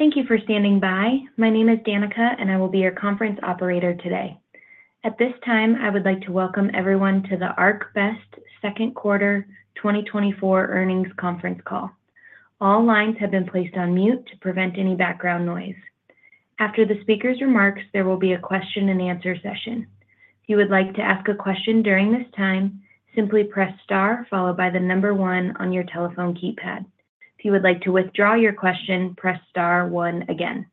Thank you for standing by. My name is Danica, and I will be your conference operator today. At this time, I would like to welcome everyone to the ArcBest Q2 2024 earnings conference call. All lines have been placed on mute to prevent any background noise. After the speaker's remarks, there will be a question-and-answer session. If you would like to ask a question during this time, simply press star followed by the number one on your telephone keypad. If you would like to withdraw your question, press star one again.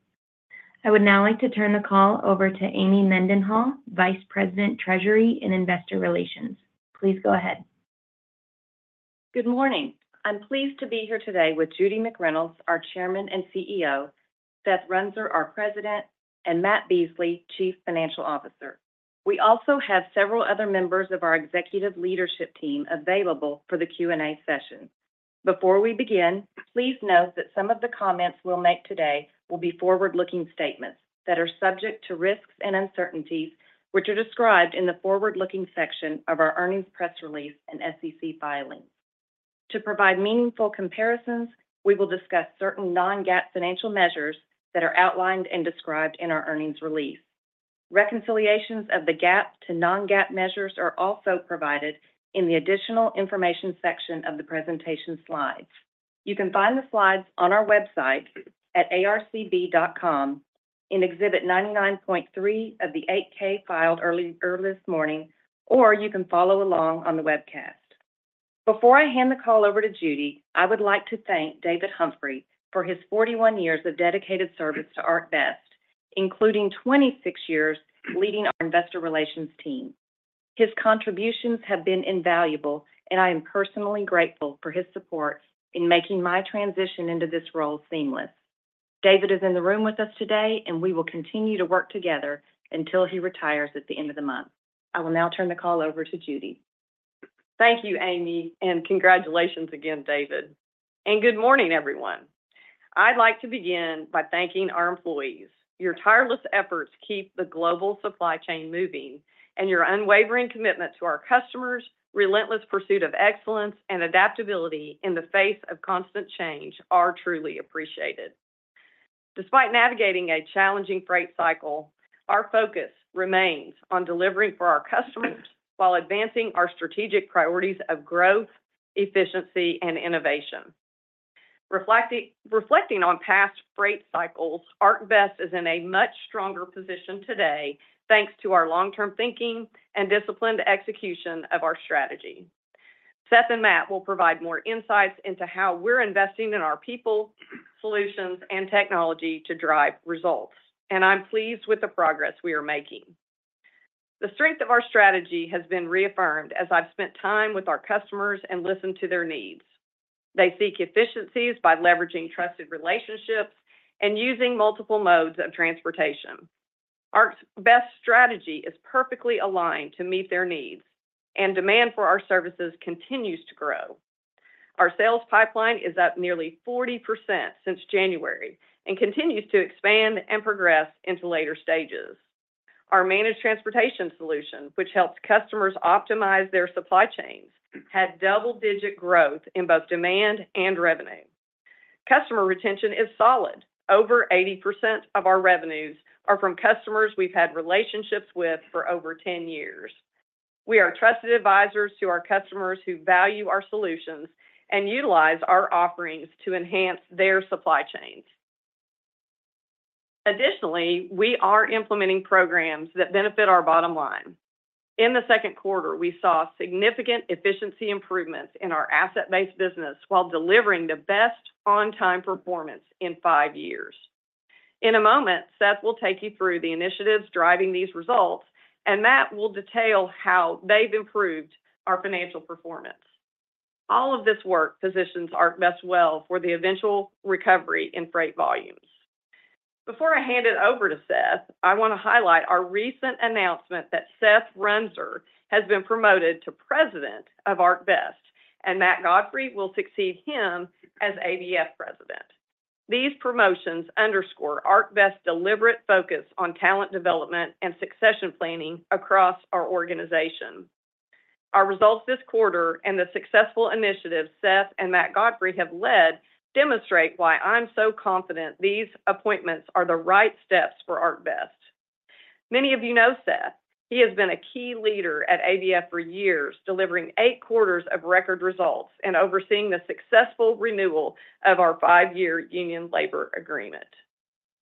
I would now like to turn the call over to Amy Mendenhall, Vice President, Treasury and Investor Relations. Please go ahead. Good morning. I'm pleased to be here today with Judy McReynolds, our Chairman and CEO, Seth Runser, our President, and Matt Beasley, Chief Financial Officer. We also have several other members of our executive leadership team available for the Q&A session. Before we begin, please note that some of the comments we'll make today will be forward-looking statements that are subject to risks and uncertainties, which are described in the forward-looking section of our earnings press release and SEC filings. To provide meaningful comparisons, we will discuss certain non-GAAP financial measures that are outlined and described in our earnings release. Reconciliations of the GAAP to non-GAAP measures are also provided in the additional information section of the presentation slides. You can find the slides on our website at arcb.com in Exhibit 99.3 of the 8-K filed earlier this morning, or you can follow along on the webcast. Before I hand the call over to Judy, I would like to thank David Humphrey for his 41 years of dedicated service to ArcBest, including 26 years leading our investor relations team. His contributions have been invaluable, and I am personally grateful for his support in making my transition into this role seamless. David is in the room with us today, and we will continue to work together until he retires at the end of the month. I will now turn the call over to Judy. Thank you, Amy, and congratulations again, David. Good morning, everyone. I'd like to begin by thanking our employees. Your tireless efforts keep the global supply chain moving, and your unwavering commitment to our customers, relentless pursuit of excellence, and adaptability in the face of constant change are truly appreciated. Despite navigating a challenging freight cycle, our focus remains on delivering for our customers while advancing our strategic priorities of growth, efficiency, and innovation. Reflecting on past freight cycles, ArcBest is in a much stronger position today thanks to our long-term thinking and disciplined execution of our strategy. Seth and Matt will provide more insights into how we're investing in our people, solutions, and technology to drive results, and I'm pleased with the progress we are making. The strength of our strategy has been reaffirmed as I've spent time with our customers and listened to their needs. They seek efficiencies by leveraging trusted relationships and using multiple modes of transportation. ArcBest's strategy is perfectly aligned to meet their needs, and demand for our services continues to grow. Our sales pipeline is up nearly 40% since January and continues to expand and progress into later stages. Our managed transportation solution, which helps customers optimize their supply chains, had double-digit growth in both demand and revenue. Customer retention is solid. Over 80% of our revenues are from customers we've had relationships with for over 10 years. We are trusted advisors to our customers who value our solutions and utilize our offerings to enhance their supply chains. Additionally, we are implementing programs that benefit our bottom line. In the second quarter, we saw significant efficiency improvements in our asset-based business while delivering the best on-time performance in 5 years. In a moment, Seth will take you through the initiatives driving these results, and Matt will detail how they've improved our financial performance. All of this work positions ArcBest well for the eventual recovery in freight volumes. Before I hand it over to Seth, I want to highlight our recent announcement that Seth Runser, who has been promoted to President of ArcBest, and Matt Godfrey will succeed him as ABF President. These promotions underscore ArcBest's deliberate focus on talent development and succession planning across our organization. Our results this quarter and the successful initiatives Seth and Matt Godfrey have led demonstrate why I'm so confident these appointments are the right steps for ArcBest. Many of you know Seth. He has been a key leader at ABF for years, delivering eight quarters of record results and overseeing the successful renewal of our five-year union labor agreement.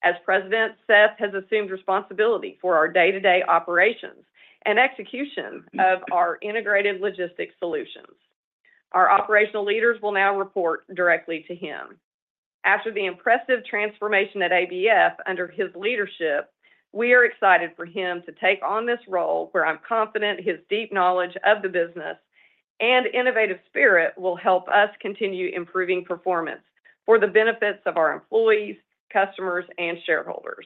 As President, Seth has assumed responsibility for our day-to-day operations and execution of our integrated logistics solutions. Our operational leaders will now report directly to him. After the impressive transformation at ABF under his leadership, we are excited for him to take on this role where I'm confident his deep knowledge of the business and innovative spirit will help us continue improving performance for the benefits of our employees, customers, and shareholders.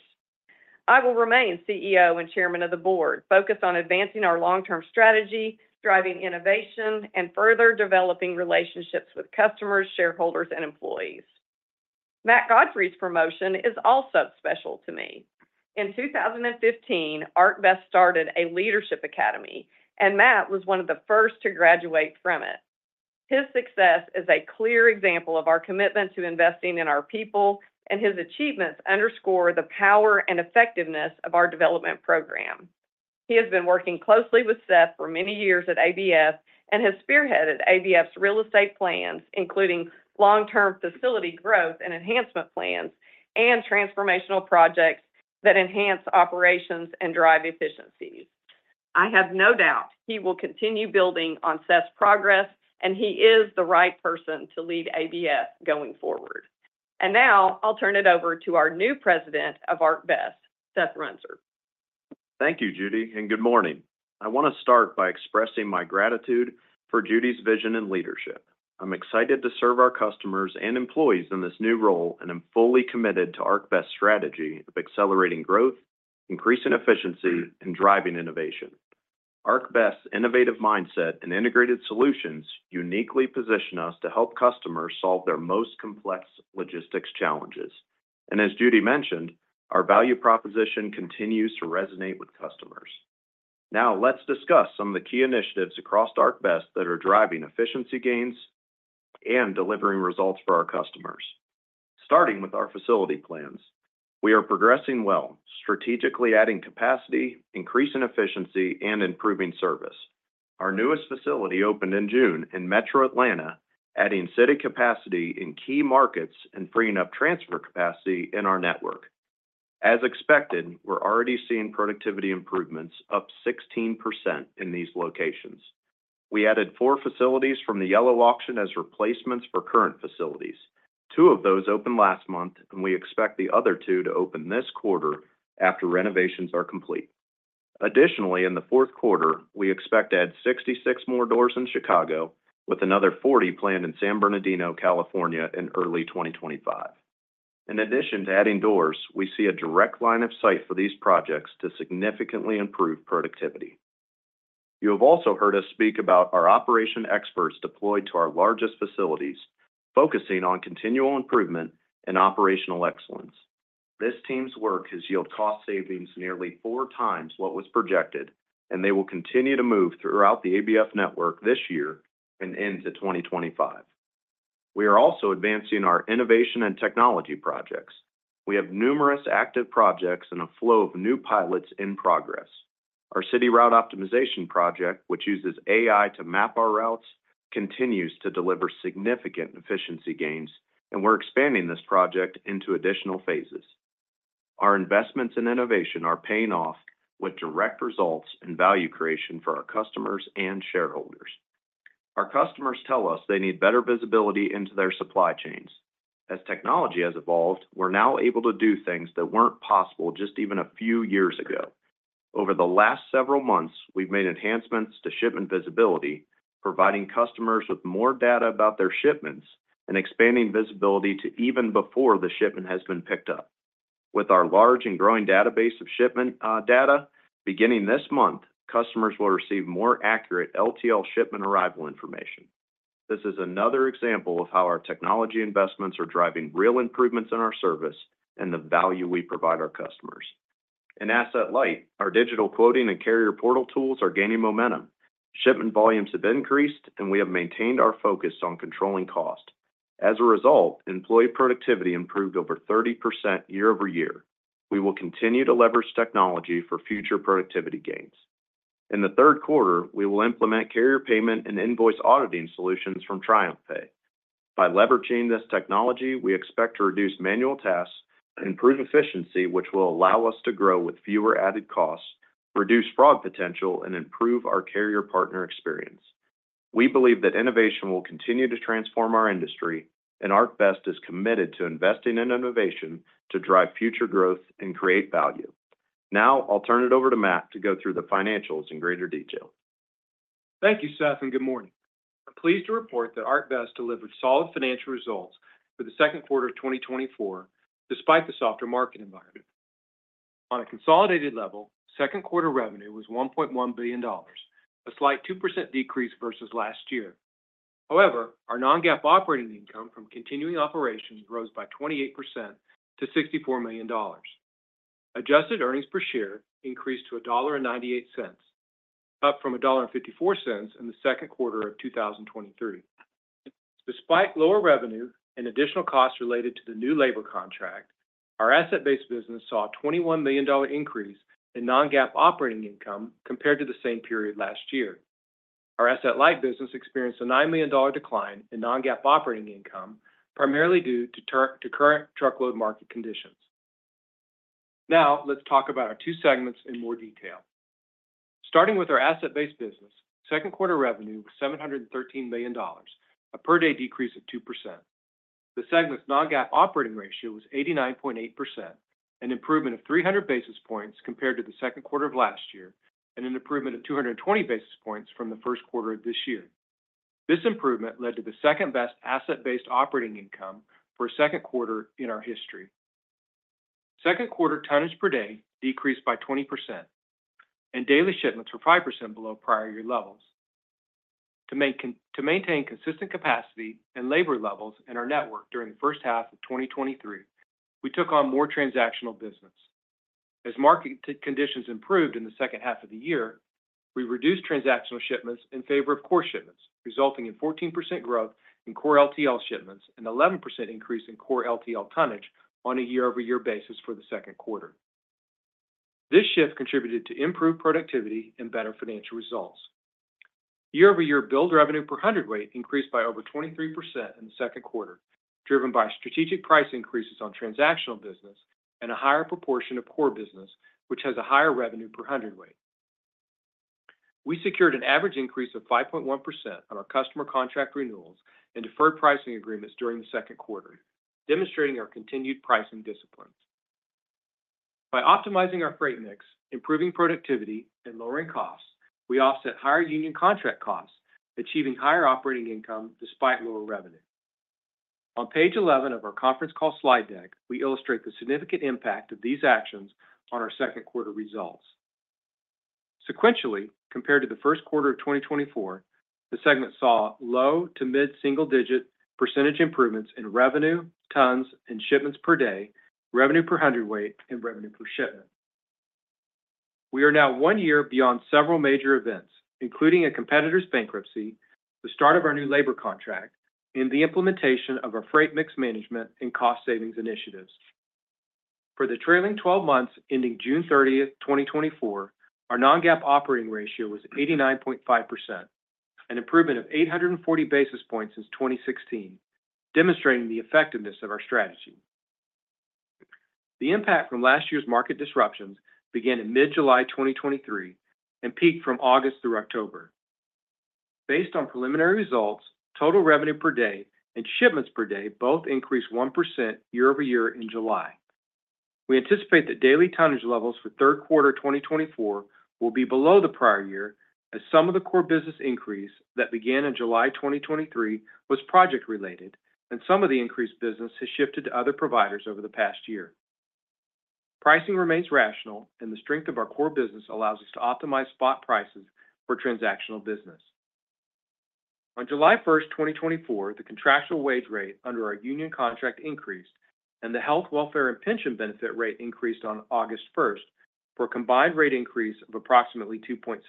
I will remain CEO and Chairman of the Board, focused on advancing our long-term strategy, driving innovation, and further developing relationships with customers, shareholders, and employees. Matt Godfrey's promotion is also special to me. In 2015, ArcBest started a leadership academy, and Matt was one of the first to graduate from it. His success is a clear example of our commitment to investing in our people, and his achievements underscore the power and effectiveness of our development program. He has been working closely with Seth for many years at ABF and has spearheaded ABF's real estate plans, including long-term facility growth and enhancement plans and transformational projects that enhance operations and drive efficiencies. I have no doubt he will continue building on Seth's progress, and he is the right person to lead ABF going forward. And now I'll turn it over to our new President of ArcBest, Seth Runser. Thank you, Judy, and good morning. I want to start by expressing my gratitude for Judy's vision and leadership. I'm excited to serve our customers and employees in this new role and am fully committed to ArcBest's strategy of accelerating growth, increasing efficiency, and driving innovation. ArcBest's innovative mindset and integrated solutions uniquely position us to help customers solve their most complex logistics challenges. As Judy mentioned, our value proposition continues to resonate with customers. Now let's discuss some of the key initiatives across ArcBest that are driving efficiency gains and delivering results for our customers. Starting with our facility plans, we are progressing well, strategically adding capacity, increasing efficiency, and improving service. Our newest facility opened in June in Metro Atlanta, adding city capacity in key markets and freeing up transfer capacity in our network. As expected, we're already seeing productivity improvements, up 16% in these locations. We added four facilities from the Yellow auction as replacements for current facilities. Two of those opened last month, and we expect the other two to open this quarter after renovations are complete. Additionally, in the fourth quarter, we expect to add 66 more doors in Chicago, with another 40 planned in San Bernardino, California, in early 2025. In addition to adding doors, we see a direct line of sight for these projects to significantly improve productivity. You have also heard us speak about our operation experts deployed to our largest facilities, focusing on continual improvement and operational excellence. This team's work has yielded cost savings nearly four times what was projected, and they will continue to move throughout the ABF network this year and into 2025. We are also advancing our innovation and technology projects. We have numerous active projects and a flow of new pilots in progress. Our city route optimization project, which uses AI to map our routes, continues to deliver significant efficiency gains, and we're expanding this project into additional phases. Our investments in innovation are paying off with direct results and value creation for our customers and shareholders. Our customers tell us they need better visibility into their supply chains. As technology has evolved, we're now able to do things that weren't possible just even a few years ago. Over the last several months, we've made enhancements to shipment visibility, providing customers with more data about their shipments and expanding visibility to even before the shipment has been picked up. With our large and growing database of shipment data, beginning this month, customers will receive more accurate LTL shipment arrival information. This is another example of how our technology investments are driving real improvements in our service and the value we provide our customers. In Asset-Light, our digital quoting and carrier portal tools are gaining momentum. Shipment volumes have increased, and we have maintained our focus on controlling cost. As a result, employee productivity improved over 30% year-over-year. We will continue to leverage technology for future productivity gains. In the third quarter, we will implement carrier payment and invoice auditing solutions from TriumphPay. By leveraging this technology, we expect to reduce manual tasks, improve efficiency, which will allow us to grow with fewer added costs, reduce fraud potential, and improve our carrier partner experience. We believe that innovation will continue to transform our industry, and ArcBest is committed to investing in innovation to drive future growth and create value. Now I'll turn it over to Matt to go through the financials in greater detail. Thank you, Seth, and good morning. I'm pleased to report that ArcBest delivered solid financial results for the Q2 of 2024, despite the softer market environment. On a consolidated level, Q2 revenue was $1.1 billion, a slight 2% decrease versus last year. However, our non-GAAP operating income from continuing operations rose by 28% to $64 million. Adjusted earnings per share increased to $1.98, up from $1.54 in the Q2 of 2023. Despite lower revenue and additional costs related to the new labor contract, our asset-based business saw a $21 million increase in non-GAAP operating income compared to the same period last year. Our asset-light business experienced a $9 million decline in non-GAAP operating income, primarily due to current truckload market conditions. Now let's talk about our two segments in more detail. Starting with our asset-based business, Q2 revenue was $713 million, a per-day decrease of 2%. The segment's non-GAAP operating ratio was 89.8%, an improvement of 300 basis points compared to the Q2 of last year, and an improvement of 220 basis points from the Q1 of this year. This improvement led to the second best asset-based operating income for a Q2 in our history. Q2 tonnage per day decreased by 20%, and daily shipments were 5% below prior year levels. To maintain consistent capacity and labor levels in our network during the first half of 2023, we took on more transactional business. As market conditions improved in the second half of the year, we reduced transactional shipments in favor of core shipments, resulting in 14% growth in core LTL shipments and an 11% increase in core LTL tonnage on a year-over-year basis for the Q2. This shift contributed to improved productivity and better financial results. Year-over-year billed revenue per hundredweight increased by over 23% in the Q2, driven by strategic price increases on transactional business and a higher proportion of core business, which has a higher revenue per hundredweight. We secured an average increase of 5.1% on our customer contract renewals and deferred pricing agreements during the Q2, demonstrating our continued pricing discipline. By optimizing our freight mix, improving productivity, and lowering costs, we offset higher union contract costs, achieving higher operating income despite lower revenue. On page 11 of our conference call slide deck, we illustrate the significant impact of these actions on our Q2 results. Sequentially, compared to the Q1 of 2024, the segment saw low to mid-single-digit percentage improvements in revenue, tons, and shipments per day, revenue per hundredweight, and revenue per shipment. We are now 1 year beyond several major events, including a competitor's bankruptcy, the start of our new labor contract, and the implementation of our freight mix management and cost savings initiatives. For the trailing 12 months ending June 30, 2024, our non-GAAP operating ratio was 89.5%, an improvement of 840 basis points since 2016, demonstrating the effectiveness of our strategy. The impact from last year's market disruptions began in mid-July 2023 and peaked from August through October. Based on preliminary results, total revenue per day and shipments per day both increased 1% year-over-year in July. We anticipate that daily tonnage levels for Q3 2024 will be below the prior year, as some of the core business increase that began in July 2023 was project-related, and some of the increased business has shifted to other providers over the past year. Pricing remains rational, and the strength of our core business allows us to optimize spot prices for transactional business. On July 1, 2024, the contractual wage rate under our union contract increased, and the health, welfare, and pension benefit rate increased on August 1 for a combined rate increase of approximately 2.7%.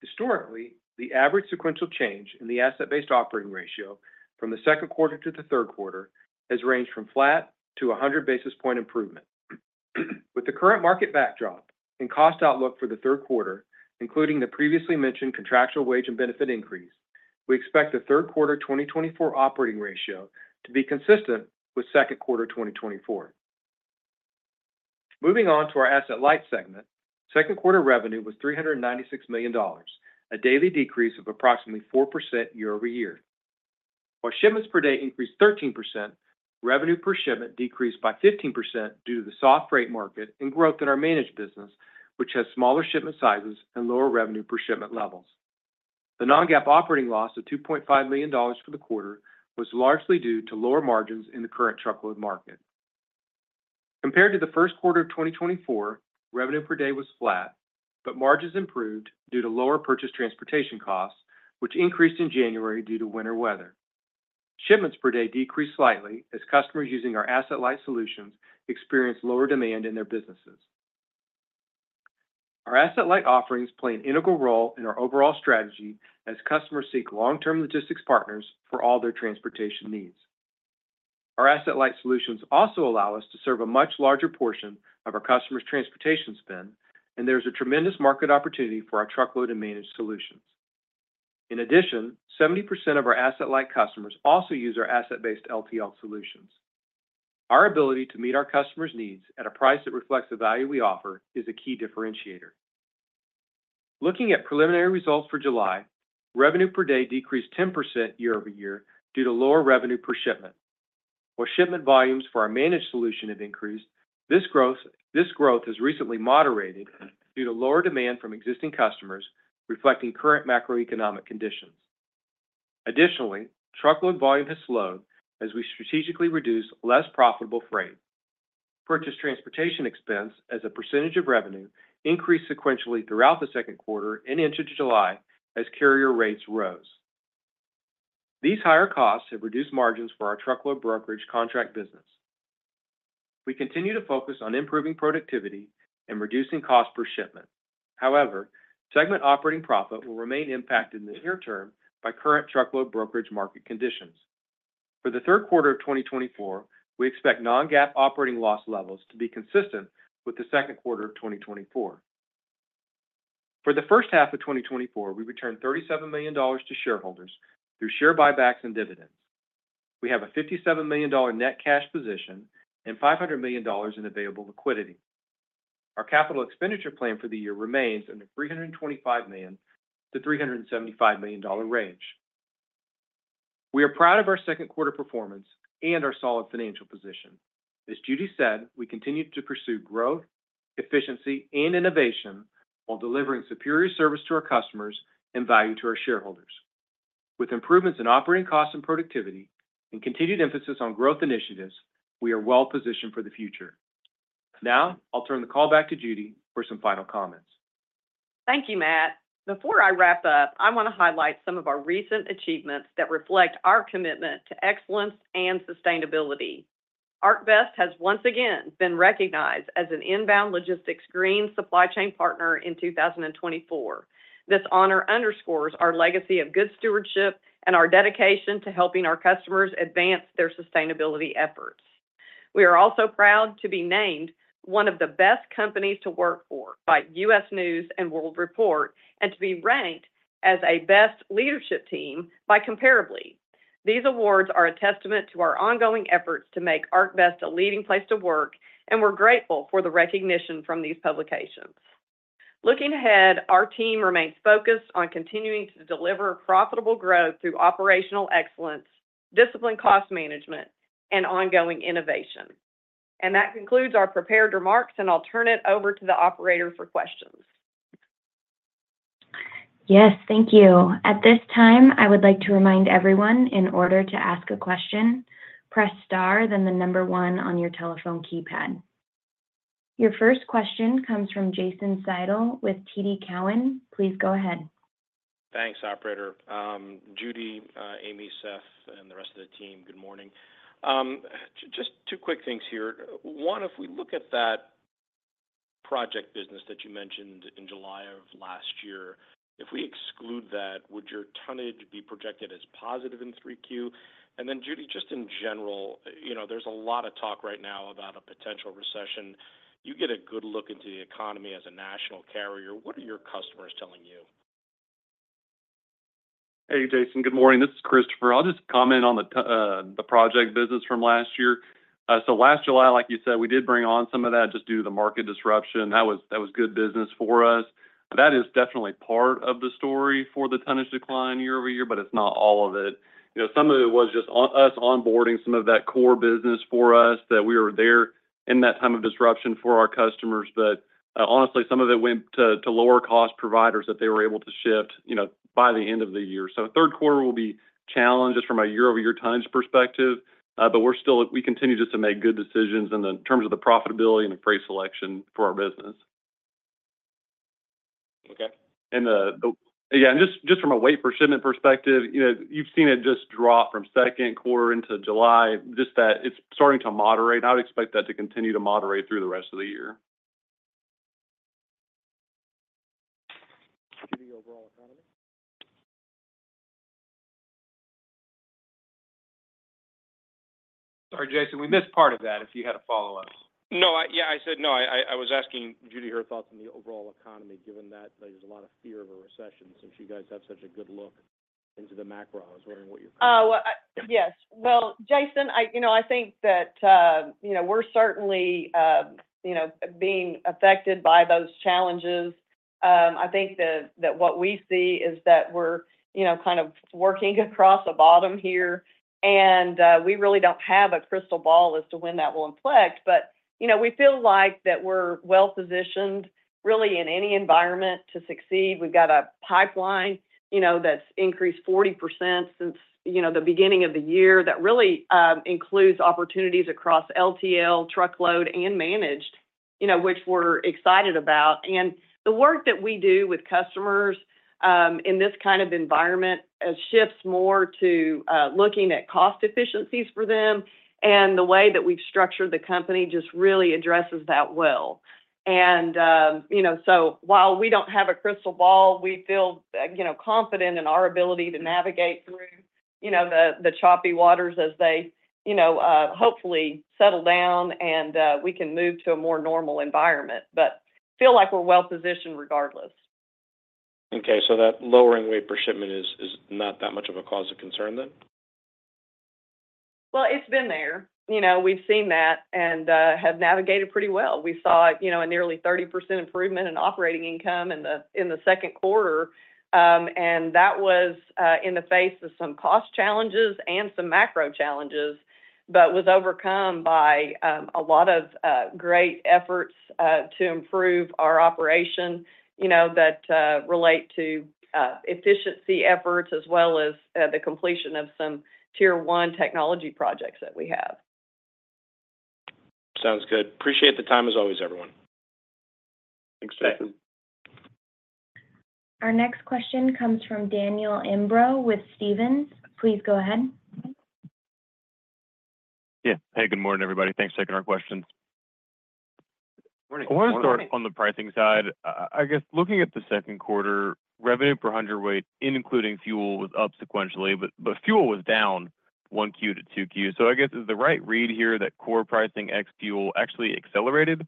Historically, the average sequential change in the Asset-Based operating ratio from the Q2 to the Q3 has ranged from flat to 100 basis point improvement. With the current market backdrop and cost outlook for Q3, including the previously mentioned contractual wage and benefit increase, we expect the Q3 2024 operating ratio to be consistent with Q2 2024. Moving on to our Asset-Light segment, Q2 revenue was $396 million, a daily decrease of approximately 4% year-over-year. While shipments per day increased 13%, revenue per shipment decreased by 15% due to the soft freight market and growth in our managed business, which has smaller shipment sizes and lower revenue per shipment levels. The Non-GAAP operating loss of $2.5 million for the quarter was largely due to lower margins in the current truckload market. Compared to the Q1 of 2024, revenue per day was flat, but margins improved due to lower purchased transportation costs, which increased in January due to winter weather. Shipments per day decreased slightly as customers using our asset-light solutions experienced lower demand in their businesses. Our asset-light offerings play an integral role in our overall strategy as customers seek long-term logistics partners for all their transportation needs. Our asset-light solutions also allow us to serve a much larger portion of our customers' transportation spend, and there is a tremendous market opportunity for our truckload and managed solutions. In addition, 70% of our asset-light customers also use our asset-based LTL solutions. Our ability to meet our customers' needs at a price that reflects the value we offer is a key differentiator. Looking at preliminary results for July, revenue per day decreased 10% year-over-year due to lower revenue per shipment. While shipment volumes for our managed solution have increased, this growth has recently moderated due to lower demand from existing customers, reflecting current macroeconomic conditions. Additionally, truckload volume has slowed as we strategically reduced less profitable freight. Purchased transportation expense as a percentage of revenue increased sequentially throughout the Q2 and into July as carrier rates rose. These higher costs have reduced margins for our truckload brokerage contract business. We continue to focus on improving productivity and reducing cost per shipment. However, segment operating profit will remain impacted in the near term by current truckload brokerage market conditions. For the Q3 of 2024, we expect non-GAAP operating loss levels to be consistent with the Q2 of 2024. For the first half of 2024, we returned $37 million to shareholders through share buybacks and dividends. We have a $57 million net cash position and $500 million in available liquidity. Our capital expenditure plan for the year remains in the $325 million-$375 million range. We are proud of our Q2 performance and our solid financial position. As Judy said, we continue to pursue growth, efficiency, and innovation while delivering superior service to our customers and value to our shareholders. With improvements in operating costs and productivity and continued emphasis on growth initiatives, we are well positioned for the future. Now I'll turn the call back to Judy for some final comments. Thank you, Matt. Before I wrap up, I want to highlight some of our recent achievements that reflect our commitment to excellence and sustainability. ArcBest has once again been recognized as an Inbound Logistics green supply chain partner in 2024. This honor underscores our legacy of good stewardship and our dedication to helping our customers advance their sustainability efforts. We are also proud to be named one of the best companies to work for by U.S. News & World Report and to be ranked as a best leadership team by Comparably. These awards are a testament to our ongoing efforts to make ArcBest a leading place to work, and we're grateful for the recognition from these publications. Looking ahead, our team remains focused on continuing to deliver profitable growth through operational excellence, disciplined cost management, and ongoing innovation. That concludes our prepared remarks, and I'll turn it over to the operators for questions. Yes, thank you. At this time, I would like to remind everyone in order to ask a question, press star, then the number one on your telephone keypad. Your first question comes from Jason Seidl with TD Cowen. Please go ahead. Thanks, Operator. Judy, Amy, Seth, and the rest of the team, good morning. Just two quick things here. One, if we look at that project business that you mentioned in July of last year, if we exclude that, would your tonnage be projected as positive in 3Q? And then, Judy, just in general, there's a lot of talk right now about a potential recession. You get a good look into the economy as a national carrier. What are your customers telling you? Hey, Jason, good morning. This is Christopher. I'll just comment on the project business from last year. So last July, like you said, we did bring on some of that just due to the market disruption. That was good business for us. That is definitely part of the story for the tonnage decline year-over-year, but it's not all of it. Some of it was just us onboarding some of that core business for us that we were there in that time of disruption for our customers. But honestly, some of it went to lower-cost providers that they were able to shift by the end of the year. So Q3 will be challenged just from a year-over-year tonnage perspective, but we continue just to make good decisions in terms of the profitability and the freight selection for our business. Okay. Yeah, just from a wait-for-shipment perspective, you've seen it just drop from Q2 into July, just that it's starting to moderate. I would expect that to continue to moderate through the rest of the year. Judy, overall economy? Sorry, Jason, we missed part of that if you had a follow-up. No, yeah, I said no. I was asking Judy her thoughts on the overall economy, given that there's a lot of fear of a recession since you guys have such a good look into the macro. I was wondering what your thoughts are. Yes. Well, Jason, I think that we're certainly being affected by those challenges. I think that what we see is that we're kind of working across a bottom here, and we really don't have a crystal ball as to when that will inflect. But we feel like that we're well positioned really in any environment to succeed. We've got a pipeline that's increased 40% since the beginning of the year that really includes opportunities across LTL, truckload, and managed, which we're excited about. And the work that we do with customers in this kind of environment shifts more to looking at cost efficiencies for them, and the way that we've structured the company just really addresses that well. And so while we don't have a crystal ball, we feel confident in our ability to navigate through the choppy waters as they hopefully settle down, and we can move to a more normal environment. But I feel like we're well positioned regardless. Okay. So that lowering weight per shipment is not that much of a cause of concern then? Well, it's been there. We've seen that and have navigated pretty well. We saw a nearly 30% improvement in operating income in the Q2, and that was in the face of some cost challenges and some macro challenges, but was overcome by a lot of great efforts to improve our operation that relate to efficiency efforts as well as the completion of some tier-one technology projects that we have. Sounds good. Appreciate the time as always, everyone. Thanks, Jason. Our next question comes from Daniel Imbro with Stephens. Please go ahead. Yeah. Hey, good morning, everybody. Thanks for taking our questions. Morning. I want to start on the pricing side. I guess looking at the Q2 revenue per hundredweight, including fuel, was up sequentially, but fuel was down 1Q to 2Q. So I guess is the right read here that core pricing ex fuel actually accelerated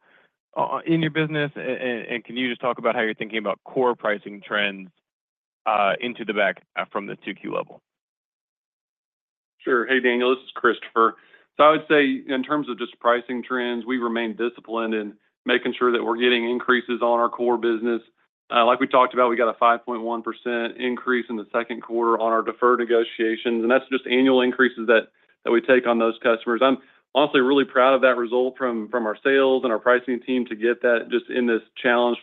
in your business? And can you just talk about how you're thinking about core pricing trends into the back from the 2Q level? Sure. Hey, Daniel, this is Christopher. So I would say in terms of just pricing trends, we remain disciplined in making sure that we're getting increases on our core business. Like we talked about, we got a 5.1% increase in the on our deferred negotiations, and that's just annual increases that we take on those customers. I'm honestly really proud of that result from our sales and our pricing team to get that just in this challenged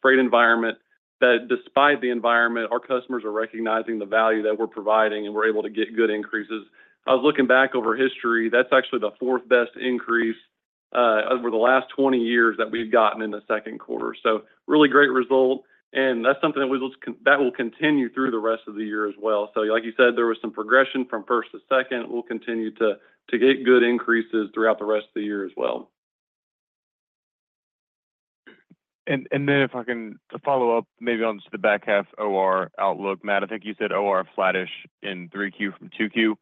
freight environment that despite the environment, our customers are recognizing the value that we're providing and we're able to get good increases. I was looking back over history. That's actually the fourth best increase over the last 20 years that we've gotten in the Q2. So really great result, and that's something that will continue through the rest of the year as well. So like you said, there was some progression from first to second. We'll continue to get good increases throughout the rest of the year as well. And then if I can follow up maybe on just the back half OR outlook, Matt, I think you said OR flat-ish in 3Q from 2Q.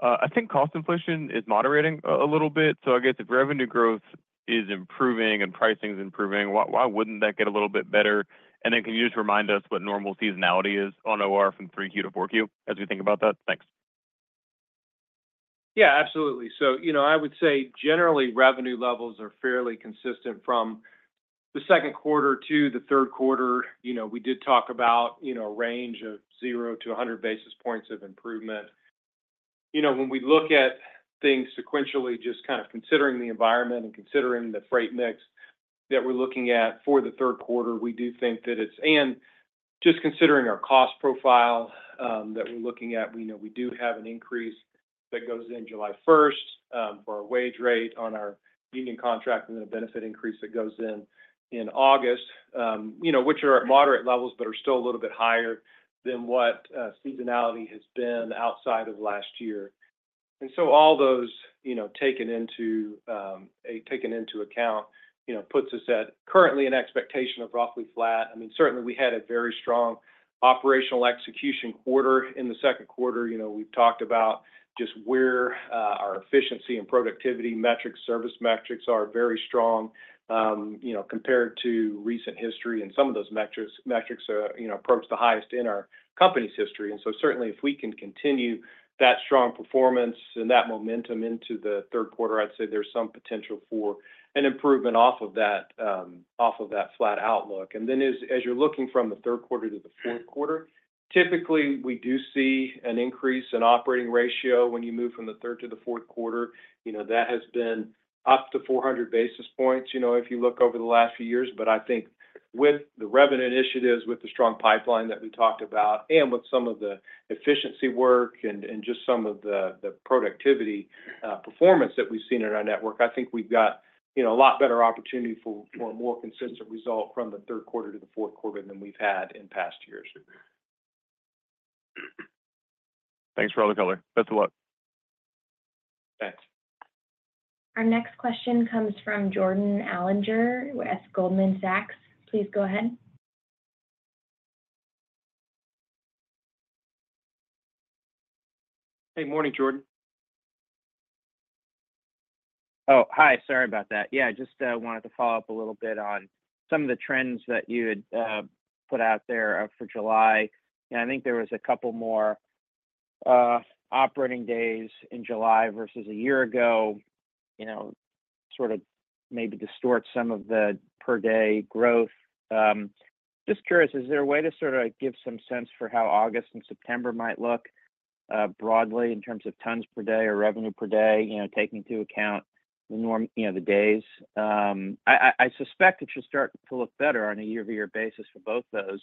I think cost inflation is moderating a little bit. So I guess if revenue growth is improving and pricing is improving, why wouldn't that get a little bit better? And then can you just remind us what normal seasonality is on OR from 3Q to 4Q as we think about that? Thanks. Yeah, absolutely. So I would say generally revenue levels are fairly consistent from the Q2 to the Q3. We did talk about a range of 0-100 basis points of improvement. When we look at things sequentially, just kind of considering the environment and considering the freight mix that we're looking at for the Q3, we do think that it's, and just considering our cost profile that we're looking at, we do have an increase that goes in July 1st for our wage rate on our union contract and then a benefit increase that goes in August, which are at moderate levels but are still a little bit higher than what seasonality has been outside of last year. And so all those taken into account puts us at currently an expectation of roughly flat. I mean, certainly we had a very strong operational execution quarter. In the Q2, we've talked about just where our efficiency and productivity metrics, service metrics are very strong compared to recent history, and some of those metrics approach the highest in our company's history. And so certainly if we can continue that strong performance and that momentum into the Q3, I'd say there's some potential for an improvement off of that flat outlook. And then as you're looking from the Q3 to the Q4, typically we do see an increase in operating ratio when you move from the third to the Q4. That has been up to 400 basis points if you look over the last few years. But, I think with the revenue initiatives, with the strong pipeline that we talked about, and with some of the efficiency work and just some of the productivity performance that we've seen in our network, I think we've got a lot better opportunity for a more consistent result from the Q3 to the Q4 than we've had in past years. Thanks, Robert Cullen. Best of luck. Thanks. Our next question comes from Jordan Alliger with Goldman Sachs. Please go ahead. Hey, morning, Jordan. Oh, hi. Sorry about that. Yeah, just wanted to follow up a little bit on some of the trends that you had put out there for July. I think there was a couple more operating days in July versus a year ago sort of maybe distort some of the per-day growth. Just curious, is there a way to sort of give some sense for how August and September might look broadly in terms of tons per day or revenue per day, taking into account the days? I suspect it should start to look better on a year-over-year basis for both those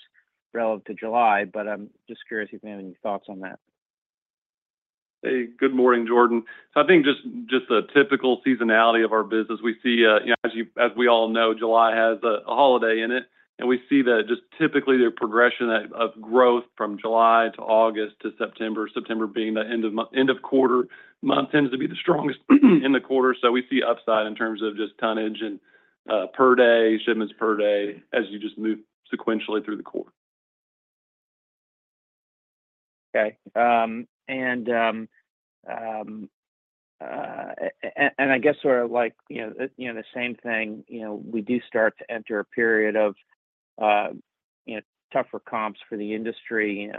relative to July, but I'm just curious if you have any thoughts on that. Hey, good morning, Jordan. So I think just the typical seasonality of our business, we see as we all know, July has a holiday in it, and we see that just typically the progression of growth from July to August to September, September being the end of quarter, month tends to be the strongest in the quarter. So we see upside in terms of just tonnage and per-day, shipments per day as you just move sequentially through the quarter. Okay. I guess sort of like the same thing, we do start to enter a period of tougher comps for the industry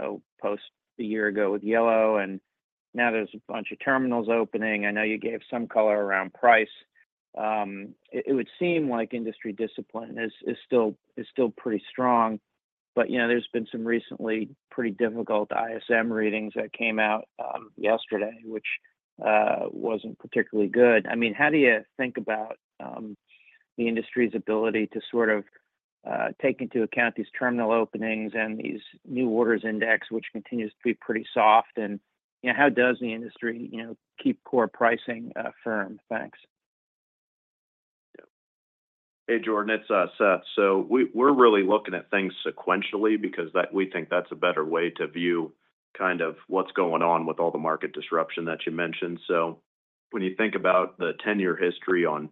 post a year ago with Yellow, and now there's a bunch of terminals opening. I know you gave some color around price. It would seem like industry discipline is still pretty strong, but there's been some recently pretty difficult ISM readings that came out yesterday, which wasn't particularly good. I mean, how do you think about the industry's ability to sort of take into account these terminal openings and these new orders index, which continues to be pretty soft? And how does the industry keep core pricing firm? Thanks. Hey, Jordan. It's Seth. So we're really looking at things sequentially because we think that's a better way to view kind of what's going on with all the market disruption that you mentioned. So when you think about the 10-year history on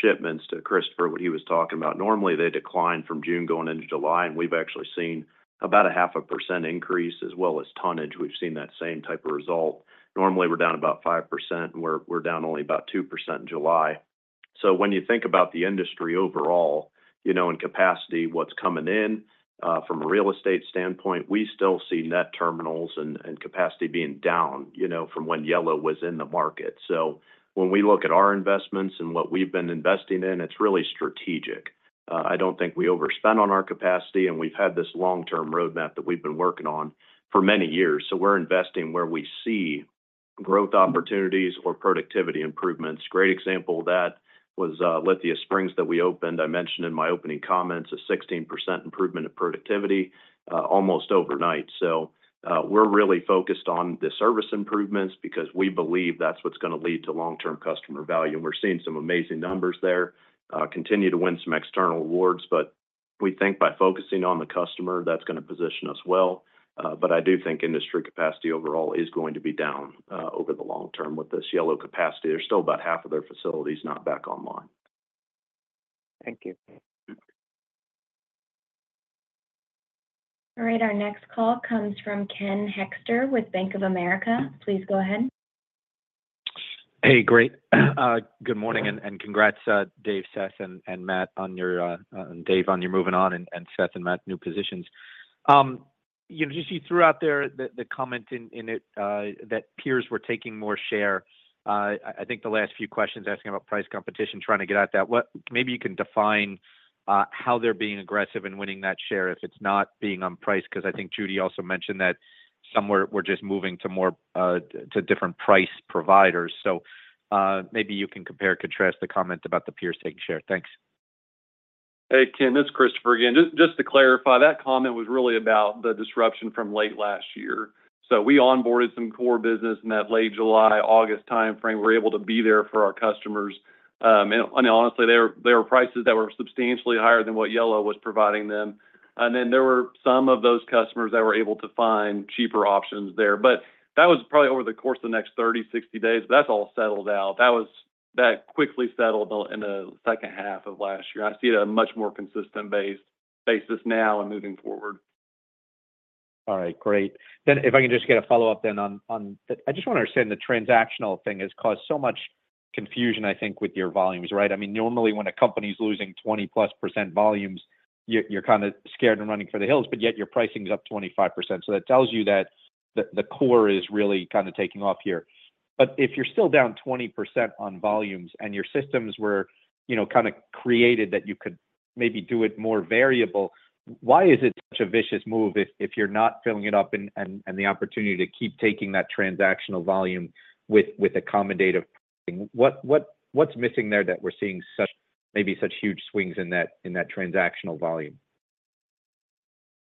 shipments to Christopher, what he was talking about, normally they decline from June going into July, and we've actually seen about a 0.5% increase as well as tonnage. We've seen that same type of result. Normally, we're down about 5%, and we're down only about 2% in July. So when you think about the industry overall in capacity, what's coming in from a real estate standpoint, we still see net terminals and capacity being down from when Yellow was in the market. So when we look at our investments and what we've been investing in, it's really strategic. I don't think we overspend on our capacity, and we've had this long-term roadmap that we've been working on for many years. So we're investing where we see growth opportunities or productivity improvements. Great example of that was Lithia Springs that we opened. I mentioned in my opening comments a 16% improvement in productivity almost overnight. So we're really focused on the service improvements because we believe that's what's going to lead to long-term customer value. And we're seeing some amazing numbers there, continue to win some external awards, but we think by focusing on the customer, that's going to position us well. But I do think industry capacity overall is going to be down over the long term with this Yellow capacity. There's still about half of their facilities not back online. Thank you. All right. Our next call comes from Ken Hoexter with Bank of America. Please go ahead. Hey, great. Good morning and congrats, Dave, Seth, and Matt on your—Dave, on your moving on and Seth and Matt, new positions. Just you threw out there the comment in it that peers were taking more share. I think the last few questions asking about price competition, trying to get at that. Maybe you can define how they're being aggressive in winning that share if it's not being underpriced because I think Judy also mentioned that some were just moving to different price providers. So maybe you can compare and contrast the comment about the peers taking share. Thanks. Hey, Ken, that's Christopher again. Just to clarify, that comment was really about the disruption from late last year. So we onboarded some core business in that late July, August timeframe. We were able to be there for our customers. And honestly, there were prices that were substantially higher than what Yellow was providing them. And then there were some of those customers that were able to find cheaper options there. But that was probably over the course of the next 30, 60 days. But that's all settled out. That quickly settled in the second half of last year. I see it on a much more consistent basis now and moving forward. All right. Great. Then if I can just get a follow-up then on. I just want to understand the transactional thing has caused so much confusion, I think, with your volumes, right? I mean, normally when a company is losing 20%+ volumes, you're kind of scared and running for the hills, but yet your pricing is up 25%. So that tells you that the core is really kind of taking off here. But if you're still down 20% on volumes and your systems were kind of created that you could maybe do it more variable, why is it such a vicious move if you're not filling it up and the opportunity to keep taking that transactional volume with accommodative pricing? What's missing there that we're seeing maybe such huge swings in that transactional volume?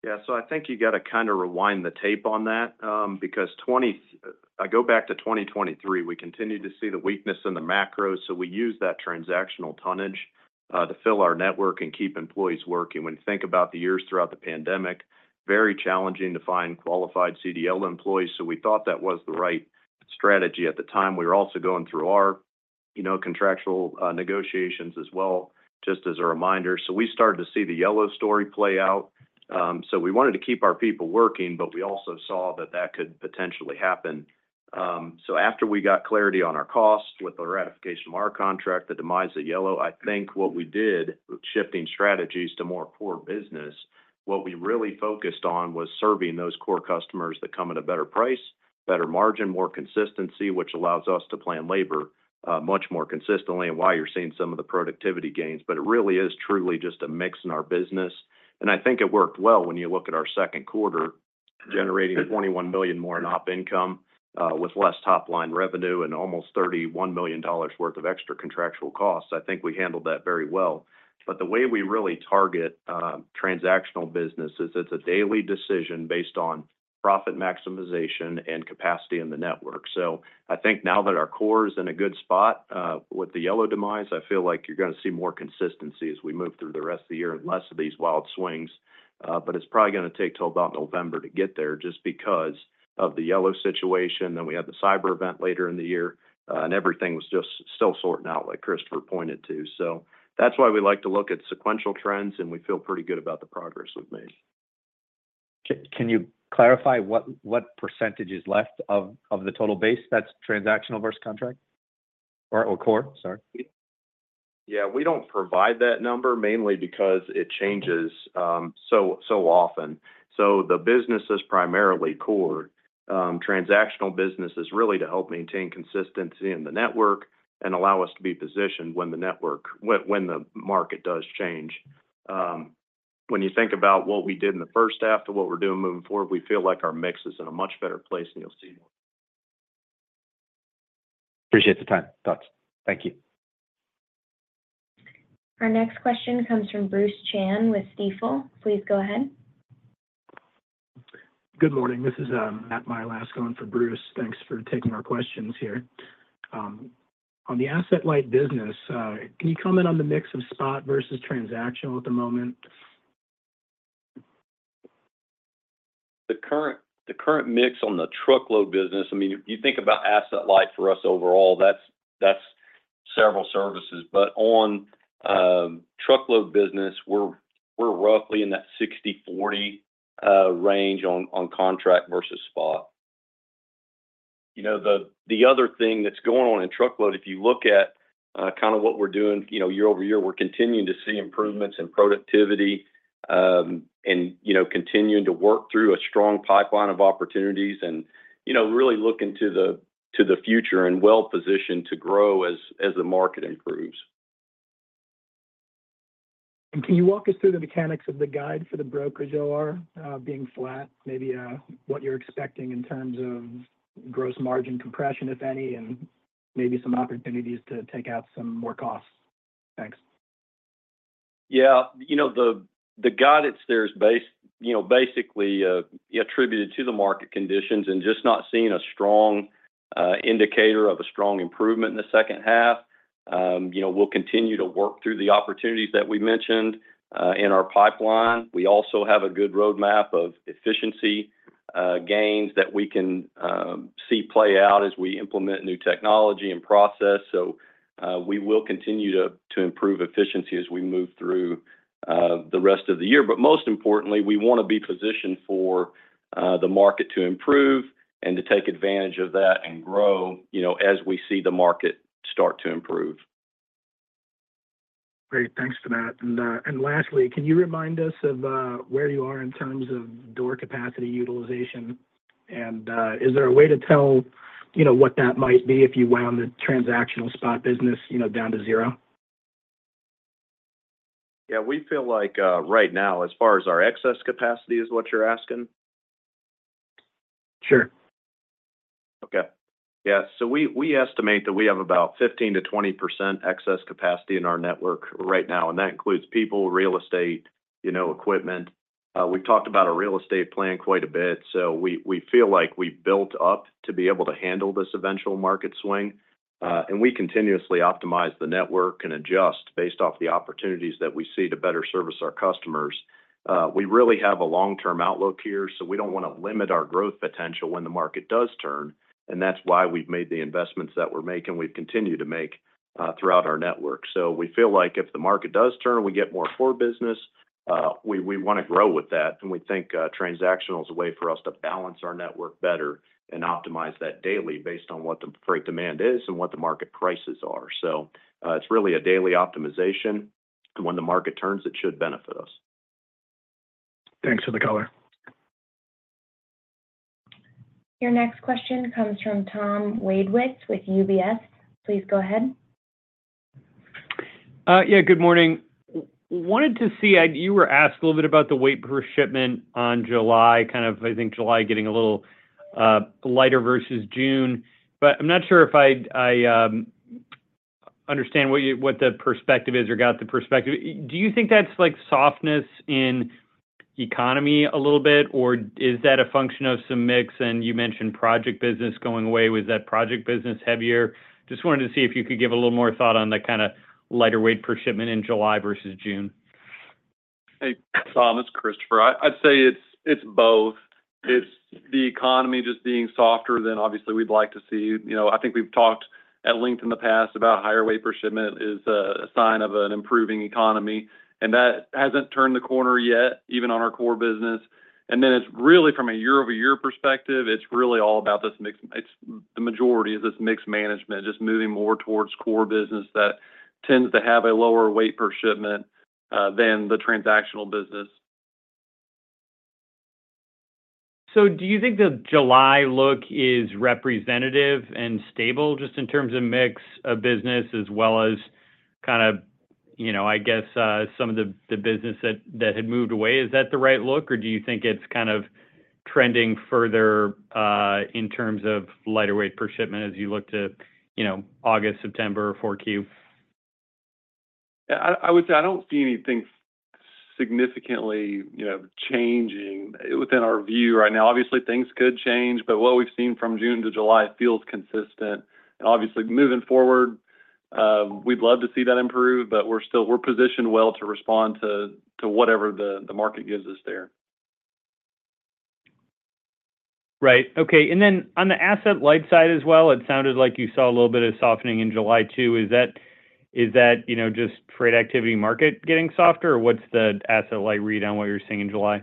Yeah. So I think you got to kind of rewind the tape on that because I go back to 2023. We continue to see the weakness in the macro. So we use that transactional tonnage to fill our network and keep employees working. When you think about the years throughout the pandemic, very challenging to find qualified CDL employees. So we thought that was the right strategy at the time. We were also going through our contractual negotiations as well, just as a reminder. So we started to see the Yellow story play out. So we wanted to keep our people working, but we also saw that that could potentially happen. So after we got clarity on our costs with the ratification of our contract, the demise of Yellow, I think what we did with shifting strategies to more core business, what we really focused on was serving those core customers that come at a better price, better margin, more consistency, which allows us to plan labor much more consistently and why you're seeing some of the productivity gains. But it really is truly just a mix in our business. And I think it worked well when you look at our Q2 generating $21 million more in op income with less top-line revenue and almost $31 million worth of extra contractual costs. I think we handled that very well. But the way we really target transactional business is it's a daily decision based on profit maximization and capacity in the network. So I think now that our core is in a good spot with the Yellow demise, I feel like you're going to see more consistency as we move through the rest of the year and less of these wild swings. But it's probably going to take till about November to get there just because of the Yellow situation. Then we had the cyber event later in the year, and everything was just still sorting out, like Christopher pointed to. So that's why we like to look at sequential trends, and we feel pretty good about the progress we've made. Can you clarify what percentage is left of the total base that's transactional versus contract or core? Sorry. Yeah. We don't provide that number mainly because it changes so often. So the business is primarily core. Transactional business is really to help maintain consistency in the network and allow us to be positioned when the market does change. When you think about what we did in the first half to what we're doing moving forward, we feel like our mix is in a much better place, and you'll see more. Appreciate the time. Thoughts? Thank you. Our next question comes from Bruce Chan with Stifel. Please go ahead. Good morning. This is Matt Malavsky for Bruce. Thanks for taking our questions here. On the asset-light business, can you comment on the mix of spot versus transactional at the moment? The current mix on the truckload business, I mean, you think about asset-light for us overall, that's several services. But on truckload business, we're roughly in that 60/40 range on contract versus spot. The other thing that's going on in truckload, if you look at kind of what we're doing year-over-year, we're continuing to see improvements in productivity and continuing to work through a strong pipeline of opportunities and really looking to the future and well-positioned to grow as the market improves. Can you walk us through the mechanics of the guide for the brokerage OR being flat, maybe what you're expecting in terms of gross margin compression, if any, and maybe some opportunities to take out some more costs? Thanks. Yeah. The guidance there is basically attributed to the market conditions and just not seeing a strong indicator of a strong improvement in the second half. We'll continue to work through the opportunities that we mentioned in our pipeline. We also have a good roadmap of efficiency gains that we can see play out as we implement new technology and process. So we will continue to improve efficiency as we move through the rest of the year. But most importantly, we want to be positioned for the market to improve and to take advantage of that and grow as we see the market start to improve. Great. Thanks for that. And lastly, can you remind us of where you are in terms of door capacity utilization? And is there a way to tell what that might be if you wound the transactional spot business down to zero? Yeah. We feel like right now, as far as our excess capacity is what you're asking? Sure. Okay. Yeah. So we estimate that we have about 15%-20% excess capacity in our network right now. And that includes people, real estate, equipment. We've talked about a real estate plan quite a bit. So we feel like we've built up to be able to handle this eventual market swing. And we continuously optimize the network and adjust based off the opportunities that we see to better service our customers. We really have a long-term outlook here. So we don't want to limit our growth potential when the market does turn. And that's why we've made the investments that we're making and we've continued to make throughout our network. So we feel like if the market does turn, we get more core business. We want to grow with that. We think transactional is a way for us to balance our network better and optimize that daily based on what the freight demand is and what the market prices are. It's really a daily optimization. When the market turns, it should benefit us. Thanks for the color. Your next question comes from Tom Wadewitz with UBS. Please go ahead. Yeah. Good morning. Wanted to see you were asked a little bit about the weight per shipment on July, kind of I think July getting a little lighter versus June. But I'm not sure if I understand what the perspective is or got the perspective. Do you think that's softness in economy a little bit, or is that a function of some mix? And you mentioned project business going away. Was that project business heavier? Just wanted to see if you could give a little more thought on that kind of lighter weight per shipment in July versus June. Hey, Tom, it's Christopher. I'd say it's both. It's the economy just being softer than, obviously, we'd like to see. I think we've talked at length in the past about higher weight per shipment is a sign of an improving economy. And that hasn't turned the corner yet, even on our core business. And then it's really from a year-over-year perspective, it's really all about this mix. The majority is this mixed management, just moving more towards core business that tends to have a lower weight per shipment than the transactional business. So do you think the July look is representative and stable just in terms of mix of business as well as kind of, I guess, some of the business that had moved away? Is that the right look, or do you think it's kind of trending further in terms of lighter weight per shipment as you look to August, September, or 4Q? I would say I don't see anything significantly changing within our view right now. Obviously, things could change, but what we've seen from June to July feels consistent. Obviously, moving forward, we'd love to see that improve, but we're positioned well to respond to whatever the market gives us there. Right. Okay. Then on the Asset-Light side as well, it sounded like you saw a little bit of softening in July too. Is that just trade activity market getting softer, or what's the Asset-Light read on what you're seeing in July?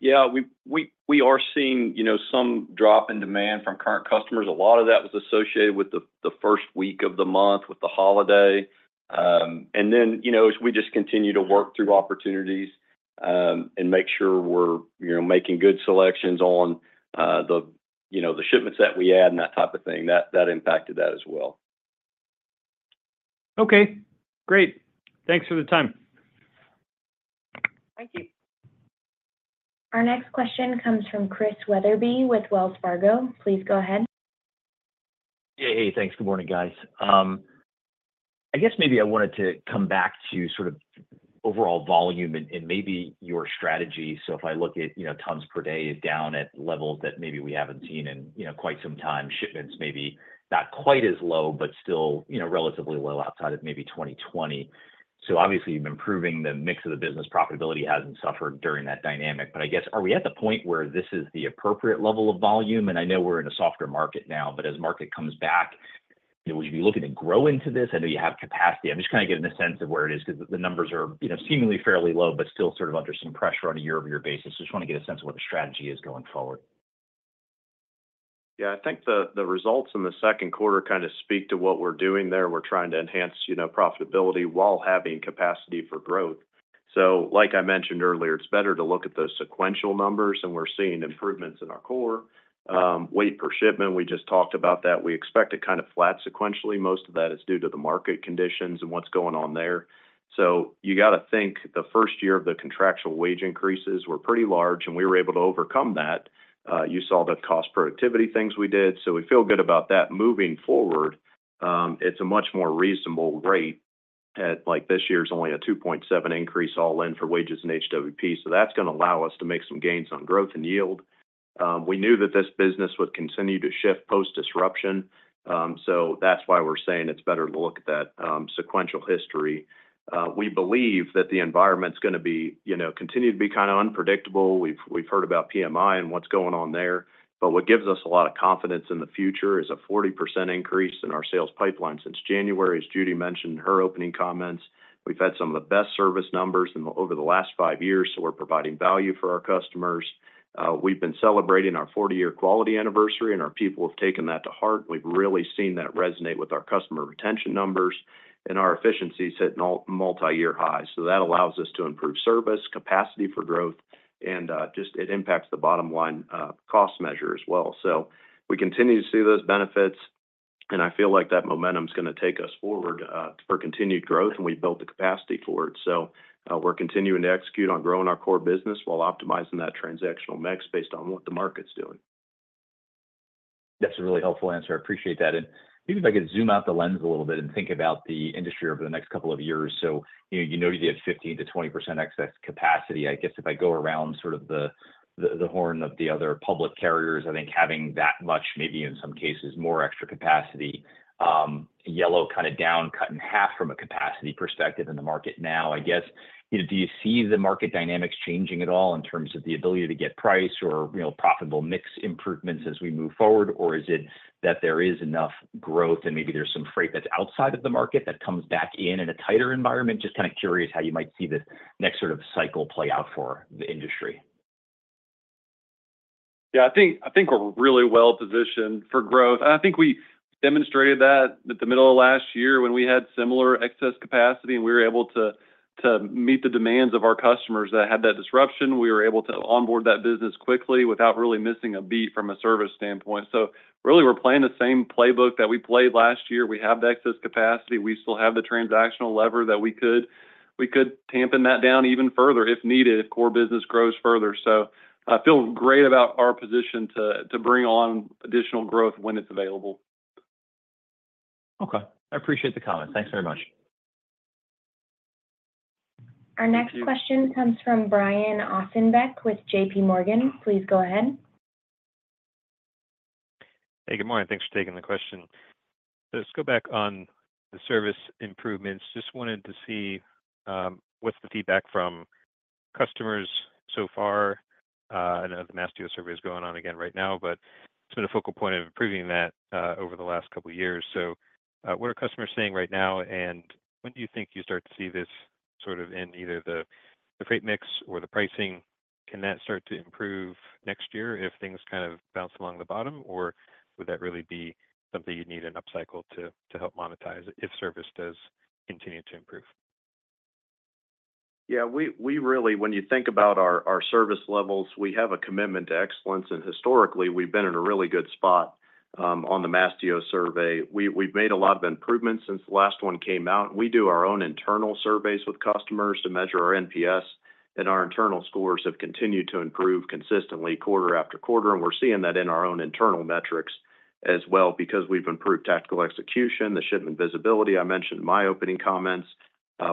Yeah. We are seeing some drop in demand from current customers. A lot of that was associated with the first week of the month with the holiday. And then we just continue to work through opportunities and make sure we're making good selections on the shipments that we add and that type of thing. That impacted that as well. Okay. Great. Thanks for the time. Thank you. Our next question comes from Chris Wetherbee with Wells Fargo. Please go ahead. Yeah. Hey, thanks. Good morning, guys. I guess maybe I wanted to come back to sort of overall volume and maybe your strategy. So if I look at tons per day, it's down at levels that maybe we haven't seen in quite some time. Shipments maybe not quite as low, but still relatively low outside of maybe 2020. So obviously, improving the mix of the business, profitability hasn't suffered during that dynamic. But I guess, are we at the point where this is the appropriate level of volume? And I know we're in a softer market now, but as market comes back, would you be looking to grow into this? I know you have capacity. I'm just trying to get a sense of where it is because the numbers are seemingly fairly low, but still sort of under some pressure on a year-over-year basis. Just want to get a sense of what the strategy is going forward. Yeah. I think the results in the Q2 kind of speak to what we're doing there. We're trying to enhance profitability while having capacity for growth. So like I mentioned earlier, it's better to look at those sequential numbers, and we're seeing improvements in our core. Weight per shipment, we just talked about that. We expect it kind of flat sequentially. Most of that is due to the market conditions and what's going on there. So you got to think the first year of the contractual wage increases were pretty large, and we were able to overcome that. You saw the cost productivity things we did. So we feel good about that. Moving forward, it's a much more reasonable rate at this year's only a 2.7 increase all in for wages and HWP. So that's going to allow us to make some gains on growth and yield. We knew that this business would continue to shift post-disruption. So that's why we're saying it's better to look at that sequential history. We believe that the environment's going to continue to be kind of unpredictable. We've heard about PMI and what's going on there. But what gives us a lot of confidence in the future is a 40% increase in our sales pipeline since January, as Judy mentioned in her opening comments. We've had some of the best service numbers over the last five years, so we're providing value for our customers. We've been celebrating our 40-year quality anniversary, and our people have taken that to heart. We've really seen that resonate with our customer retention numbers, and our efficiency is hitting multi-year highs. So that allows us to improve service, capacity for growth, and just it impacts the bottom-line cost measure as well. We continue to see those benefits, and I feel like that momentum is going to take us forward for continued growth, and we've built the capacity for it. We're continuing to execute on growing our core business while optimizing that transactional mix based on what the market's doing. That's a really helpful answer. I appreciate that. And maybe if I could zoom out the lens a little bit and think about the industry over the next couple of years. So you know you have 15%-20% excess capacity. I guess if I go around sort of the horn of the other public carriers, I think having that much, maybe in some cases, more extra capacity, Yellow kind of down, cut in half from a capacity perspective in the market now, I guess. Do you see the market dynamics changing at all in terms of the ability to get price or profitable mix improvements as we move forward, or is it that there is enough growth and maybe there's some freight that's outside of the market that comes back in in a tighter environment? Just kind of curious how you might see this next sort of cycle play out for the industry. Yeah. I think we're really well-positioned for growth. I think we demonstrated that at the middle of last year when we had similar excess capacity, and we were able to meet the demands of our customers that had that disruption. We were able to onboard that business quickly without really missing a beat from a service standpoint. So really, we're playing the same playbook that we played last year. We have the excess capacity. We still have the transactional lever that we could tamp that down even further if needed, if core business grows further. So I feel great about our position to bring on additional growth when it's available. Okay. I appreciate the comment. Thanks very much. Our next question comes from Brian Ossenbeck with JPMorgan. Please go ahead. Hey, good morning. Thanks for taking the question. Let's go back on the service improvements. Just wanted to see what's the feedback from customers so far. I know the Mastio survey is going on again right now, but it's been a focal point of improving that over the last couple of years. So what are customers saying right now, and when do you think you start to see this sort of in either the freight mix or the pricing? Can that start to improve next year if things kind of bounce along the bottom, or would that really be something you'd need an upcycle to help monetize if service does continue to improve? Yeah. When you think about our service levels, we have a commitment to excellence, and historically, we've been in a really good spot on the Mastio survey. We've made a lot of improvements since the last one came out. We do our own internal surveys with customers to measure our NPS, and our internal scores have continued to improve consistently quarter after quarter. We're seeing that in our own internal metrics as well because we've improved tactical execution, the shipment visibility I mentioned in my opening comments.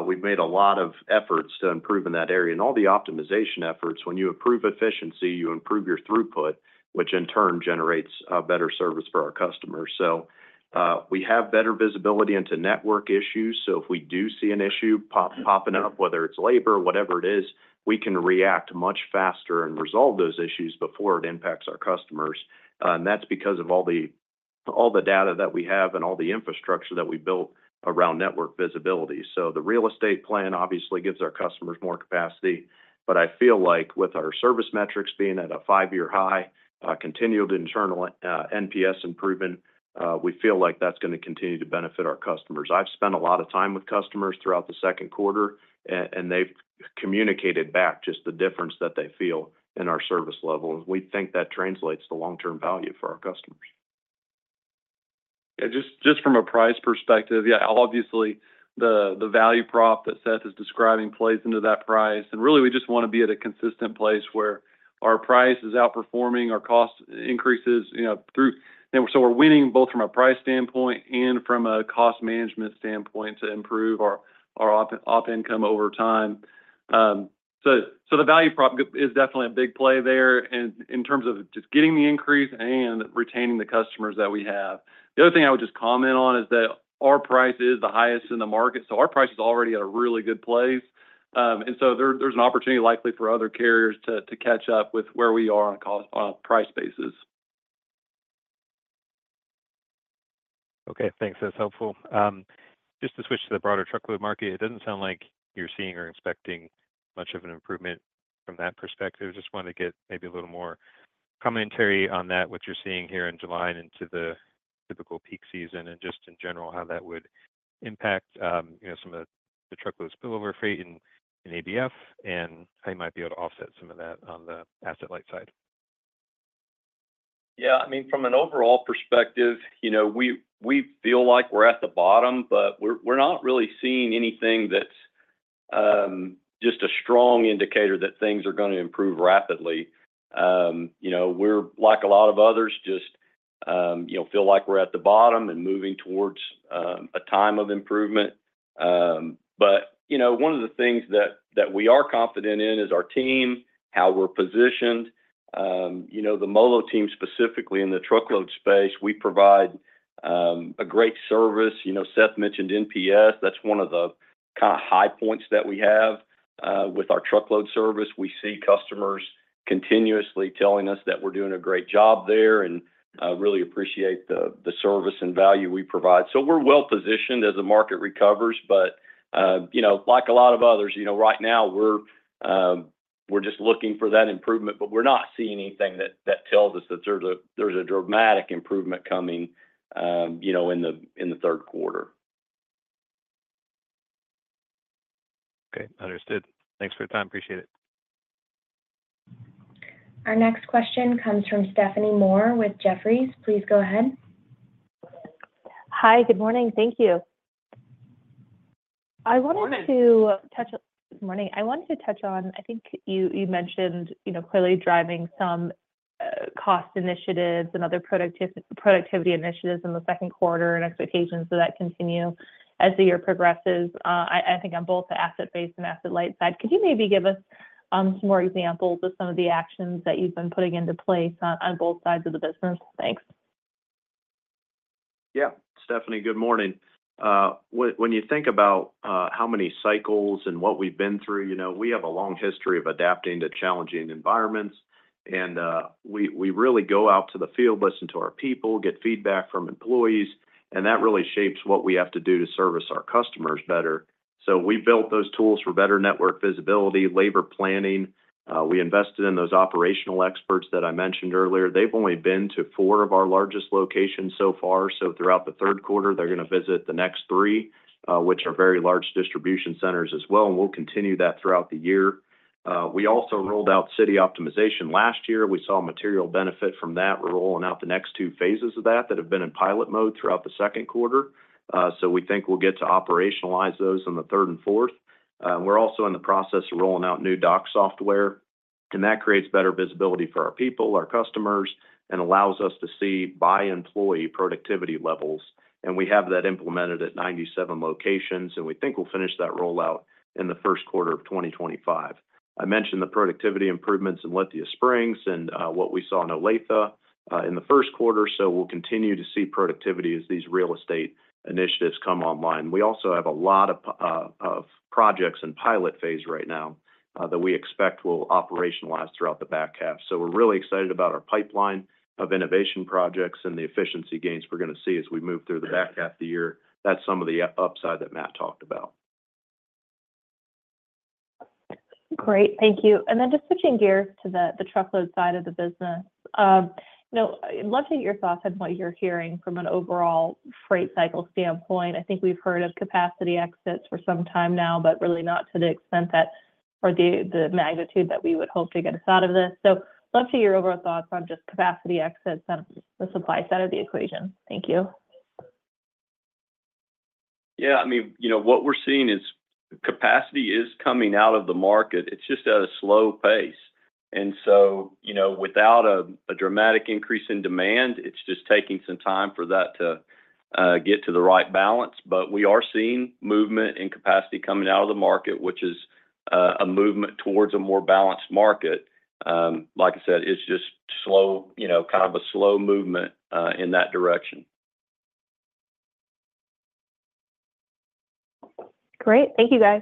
We've made a lot of efforts to improve in that area. All the optimization efforts, when you improve efficiency, you improve your throughput, which in turn generates better service for our customers. We have better visibility into network issues. So if we do see an issue popping up, whether it's labor or whatever it is, we can react much faster and resolve those issues before it impacts our customers. And that's because of all the data that we have and all the infrastructure that we built around network visibility. So the real estate plan obviously gives our customers more capacity. But I feel like with our service metrics being at a five-year high, continued internal NPS improvement, we feel like that's going to continue to benefit our customers. I've spent a lot of time with customers throughout the Q2, and they've communicated back just the difference that they feel in our service level. And we think that translates to long-term value for our customers. Yeah. Just from a price perspective, yeah, obviously, the value prop that Seth is describing plays into that price. Really, we just want to be at a consistent place where our price is outperforming our cost increases. We're winning both from a price standpoint and from a cost management standpoint to improve our op income over time. The value prop is definitely a big play there in terms of just getting the increase and retaining the customers that we have. The other thing I would just comment on is that our price is the highest in the market. Our price is already at a really good place. There's an opportunity likely for other carriers to catch up with where we are on a price basis. Okay. Thanks. That's helpful. Just to switch to the broader truckload market, it doesn't sound like you're seeing or expecting much of an improvement from that perspective. Just wanted to get maybe a little more commentary on that, what you're seeing here in July and into the typical peak season and just in general how that would impact some of the truckload spillover freight in ABF and how you might be able to offset some of that on the asset-light side. Yeah. I mean, from an overall perspective, we feel like we're at the bottom, but we're not really seeing anything that's just a strong indicator that things are going to improve rapidly. We're, like a lot of others, just feel like we're at the bottom and moving towards a time of improvement. But one of the things that we are confident in is our team, how we're positioned. The MoLo team specifically in the truckload space, we provide a great service. Seth mentioned NPS. That's one of the kind of high points that we have with our truckload service. We see customers continuously telling us that we're doing a great job there and really appreciate the service and value we provide. So we're well-positioned as the market recovers. But like a lot of others, right now, we're just looking for that improvement, but we're not seeing anything that tells us that there's a dramatic improvement coming in the Q3. Okay. Understood. Thanks for your time. Appreciate it. Our next question comes from Stephanie Moore with Jefferies. Please go ahead. Hi. Good morning. Thank you. I wanted to touch on. Good morning. Good morning. I wanted to touch on, I think you mentioned clearly driving some cost initiatives and other productivity initiatives in the Q2 and expectations for that to continue as the year progresses. I think on both the asset-based and asset-light side, could you maybe give us some more examples of some of the actions that you've been putting into place on both sides of the business? Thanks. Yeah. Stephanie, good morning. When you think about how many cycles and what we've been through, we have a long history of adapting to challenging environments. And we really go out to the field, listen to our people, get feedback from employees, and that really shapes what we have to do to service our customers better. So we built those tools for better network visibility, labor planning. We invested in those operational experts that I mentioned earlier. They've only been to 4 of our largest locations so far. So throughout the Q3 they're going to visit the next 3, which are very large distribution centers as well, and we'll continue that throughout the year. We also rolled out city optimization last year. We saw material benefit from that. We're rolling out the next 2 phases of that that have been in pilot mode throughout the Q2. So we think we'll get to operationalize those in the third and fourth. We're also in the process of rolling out new dock software, and that creates better visibility for our people, our customers, and allows us to see by-employee productivity levels. And we have that implemented at 97 locations, and we think we'll finish that rollout in the first quarter of 2025. I mentioned the productivity improvements in Lithia Springs and what we saw in Olathe in the first quarter. So we'll continue to see productivity as these real estate initiatives come online. We also have a lot of projects in pilot phase right now that we expect we'll operationalize throughout the back half. So we're really excited about our pipeline of innovation projects and the efficiency gains we're going to see as we move through the back half of the year. That's some of the upside that Matt talked about. Great. Thank you. And then just switching gears to the truckload side of the business, I'd love to get your thoughts on what you're hearing from an overall freight cycle standpoint. I think we've heard of capacity exits for some time now, but really not to the extent that or the magnitude that we would hope to get us out of this. So I'd love to hear your overall thoughts on just capacity exits and the supply side of the equation. Thank you. Yeah. I mean, what we're seeing is capacity is coming out of the market. It's just at a slow pace. And so without a dramatic increase in demand, it's just taking some time for that to get to the right balance. But we are seeing movement in capacity coming out of the market, which is a movement towards a more balanced market. Like I said, it's just kind of a slow movement in that direction. Great. Thank you, guys.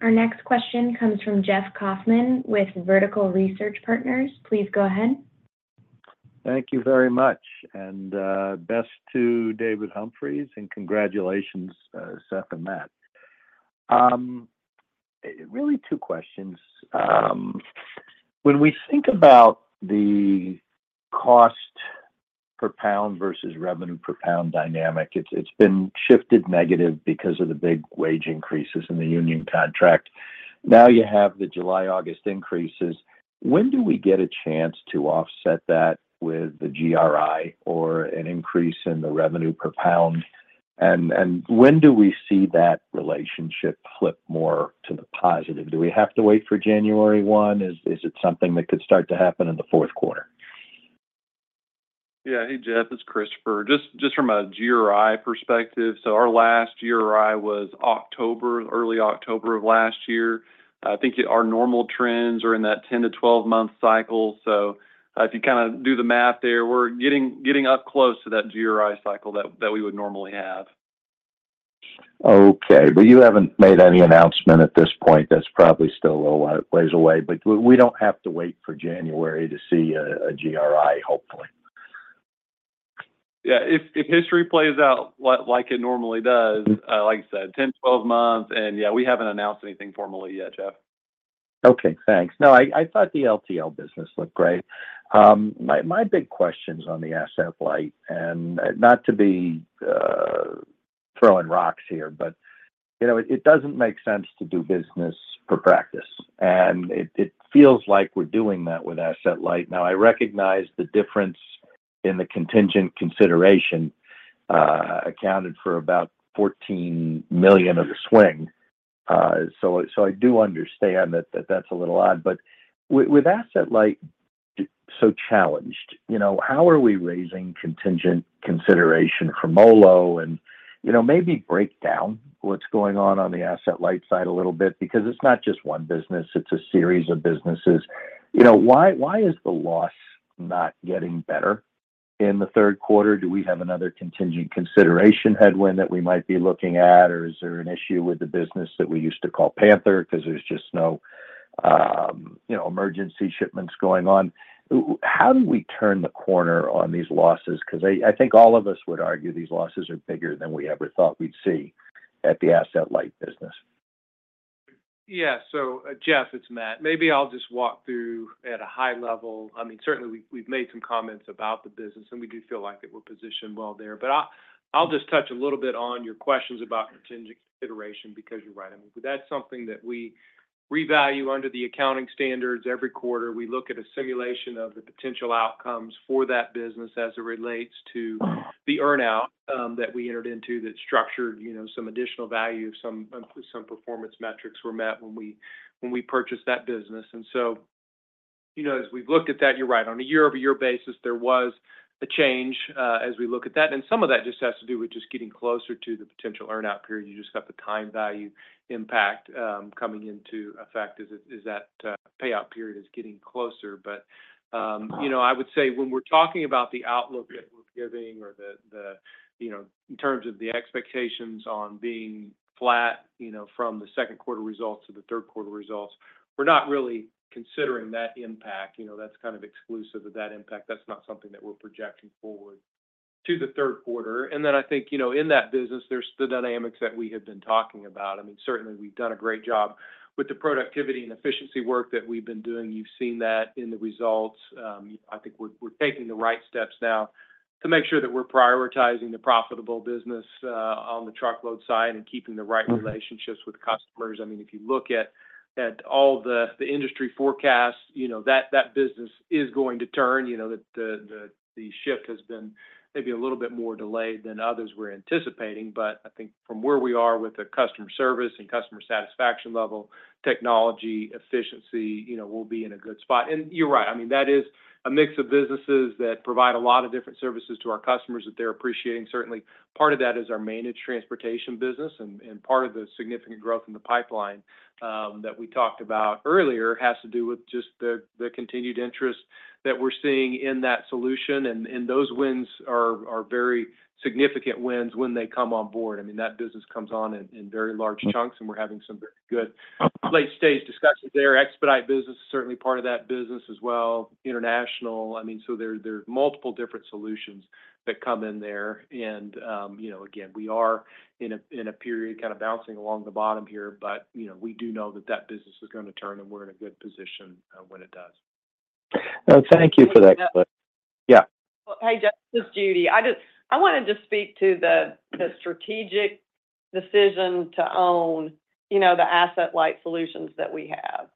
Our next question comes from Jeff Kauffman with Vertical Research Partners. Please go ahead. Thank you very much. And best to David Humphrey and congratulations, Seth and Matt. Really two questions. When we think about the cost per pound versus revenue per pound dynamic, it's been shifted negative because of the big wage increases in the union contract. Now you have the July-August increases. When do we get a chance to offset that with the GRI or an increase in the revenue per pound? And when do we see that relationship flip more to the positive? Do we have to wait for January 1? Is it something that could start to happen in the Q4? Yeah. Hey, Jeff. It's Christopher. Just from a GRI perspective, so our last GRI was October, early October of last year. I think our normal trends are in that 10-12-month cycle. So if you kind of do the math there, we're getting up close to that GRI cycle that we would normally have. Okay. Well, you haven't made any announcement at this point. That's probably still a little while away. But we don't have to wait for January to see a GRI, hopefully. Yeah. If history plays out like it normally does, like I said, 10, 12 months. And yeah, we haven't announced anything formally yet, Jeff. Okay. Thanks. No, I thought the LTL business looked great. My big question is on the Asset-Light. And not to be throwing rocks here, but it doesn't make sense to do business for practice. And it feels like we're doing that with Asset-Light. Now, I recognize the difference in the contingent consideration accounted for about $14 million of the swing. So I do understand that that's a little odd. But with Asset-Light so challenged, how are we raising contingent consideration for MoLo and maybe break down what's going on on the Asset-Light side a little bit? Because it's not just one business. It's a series of businesses. Why is the loss not getting better in the Q3? Do we have another contingent consideration headwind that we might be looking at? Or is there an issue with the business that we used to call Panther because there's just no emergency shipments going on? How do we turn the corner on these losses? Because I think all of us would argue these losses are bigger than we ever thought we'd see at the asset-light business. Yeah. So Jeff, it's Matt. Maybe I'll just walk through at a high level. I mean, certainly, we've made some comments about the business, and we do feel like that we're positioned well there. But I'll just touch a little bit on your questions about contingent consideration because you're right. I mean, that's something that we revalue under the accounting standards every quarter. We look at a simulation of the potential outcomes for that business as it relates to the earnout that we entered into that structured some additional value if some performance metrics were met when we purchased that business. And so as we've looked at that, you're right. On a year-over-year basis, there was a change as we look at that. And some of that just has to do with just getting closer to the potential earnout period. You just got the time value impact coming into effect as that payout period is getting closer. But I would say when we're talking about the outlook that we're giving or in terms of the expectations on being flat from the Q2 results to the Q3 results, we're not really considering that impact. That's kind of exclusive of that impact. That's not something that we're projecting forward to the Q3. And then I think in that business, there's the dynamics that we have been talking about. I mean, certainly, we've done a great job with the productivity and efficiency work that we've been doing. You've seen that in the results. I think we're taking the right steps now to make sure that we're prioritizing the profitable business on the truckload side and keeping the right relationships with customers. I mean, if you look at all the industry forecasts, that business is going to turn. The shift has been maybe a little bit more delayed than others were anticipating. But I think from where we are with the customer service and customer satisfaction level, technology, efficiency, we'll be in a good spot. And you're right. I mean, that is a mix of businesses that provide a lot of different services to our customers that they're appreciating. Certainly, part of that is our managed transportation business. And part of the significant growth in the pipeline that we talked about earlier has to do with just the continued interest that we're seeing in that solution. And those wins are very significant wins when they come on board. I mean, that business comes on in very large chunks, and we're having some very good late-stage discussions there. Expedite business is certainly part of that business as well. International. I mean, so there are multiple different solutions that come in there. And again, we are in a period kind of bouncing along the bottom here, but we do know that that business is going to turn, and we're in a good position when it does. Thank you for that. Yeah. Hey, Jeff. This is Judy. I wanted to speak to the strategic decision to own the asset-light solutions that we have.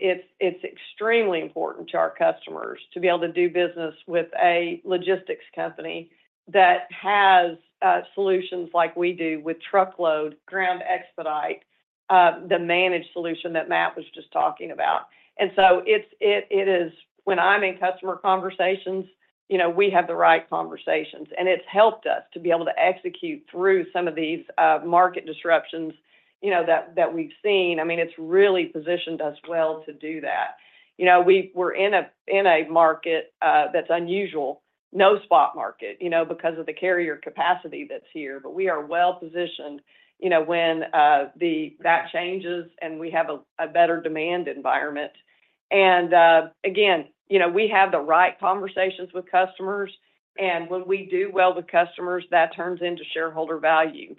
It's extremely important to our customers to be able to do business with a logistics company that has solutions like we do with truckload, ground expedite, the managed solution that Matt was just talking about. So when I'm in customer conversations, we have the right conversations. And it's helped us to be able to execute through some of these market disruptions that we've seen. I mean, it's really positioned us well to do that. We're in a market that's unusual, no spot market because of the carrier capacity that's here. But we are well-positioned when that changes and we have a better demand environment. And again, we have the right conversations with customers. And when we do well with customers, that turns into shareholder value.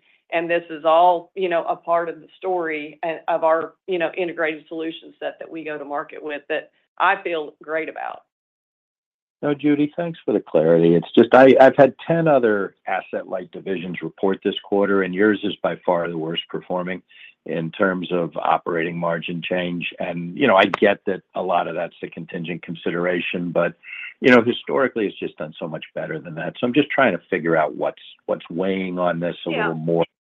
This is all a part of the story of our integrated solution set that we go to market with that I feel great about. No, Judy, thanks for the clarity. It's just I've had 10 other asset-light divisions report this quarter, and yours is by far the worst performing in terms of operating margin change. I get that a lot of that's the contingent consideration, but historically, it's just done so much better than that. I'm just trying to figure out what's weighing on this a little more than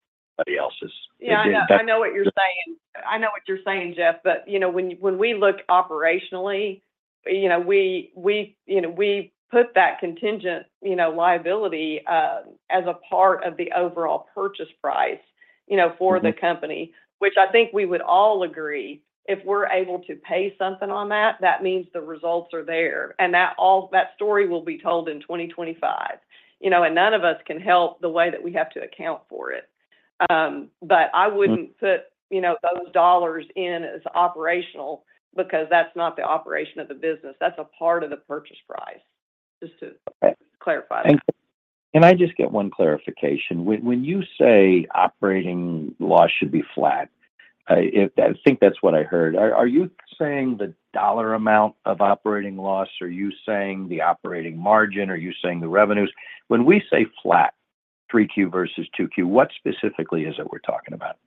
anybody else's. Yeah. I know what you're saying. I know what you're saying, Jeff. But when we look operationally, we put that contingent liability as a part of the overall purchase price for the company, which I think we would all agree. If we're able to pay something on that, that means the results are there. And that story will be told in 2025. And none of us can help the way that we have to account for it. But I wouldn't put those dollars in as operational because that's not the operation of the business. That's a part of the purchase price, just to clarify that. Can I just get one clarification? When you say operating loss should be flat, I think that's what I heard. Are you saying the dollar amount of operating loss? Are you saying the operating margin? Are you saying the revenues? When we say flat, 3Q versus 2Q, what specifically is it we're talking about?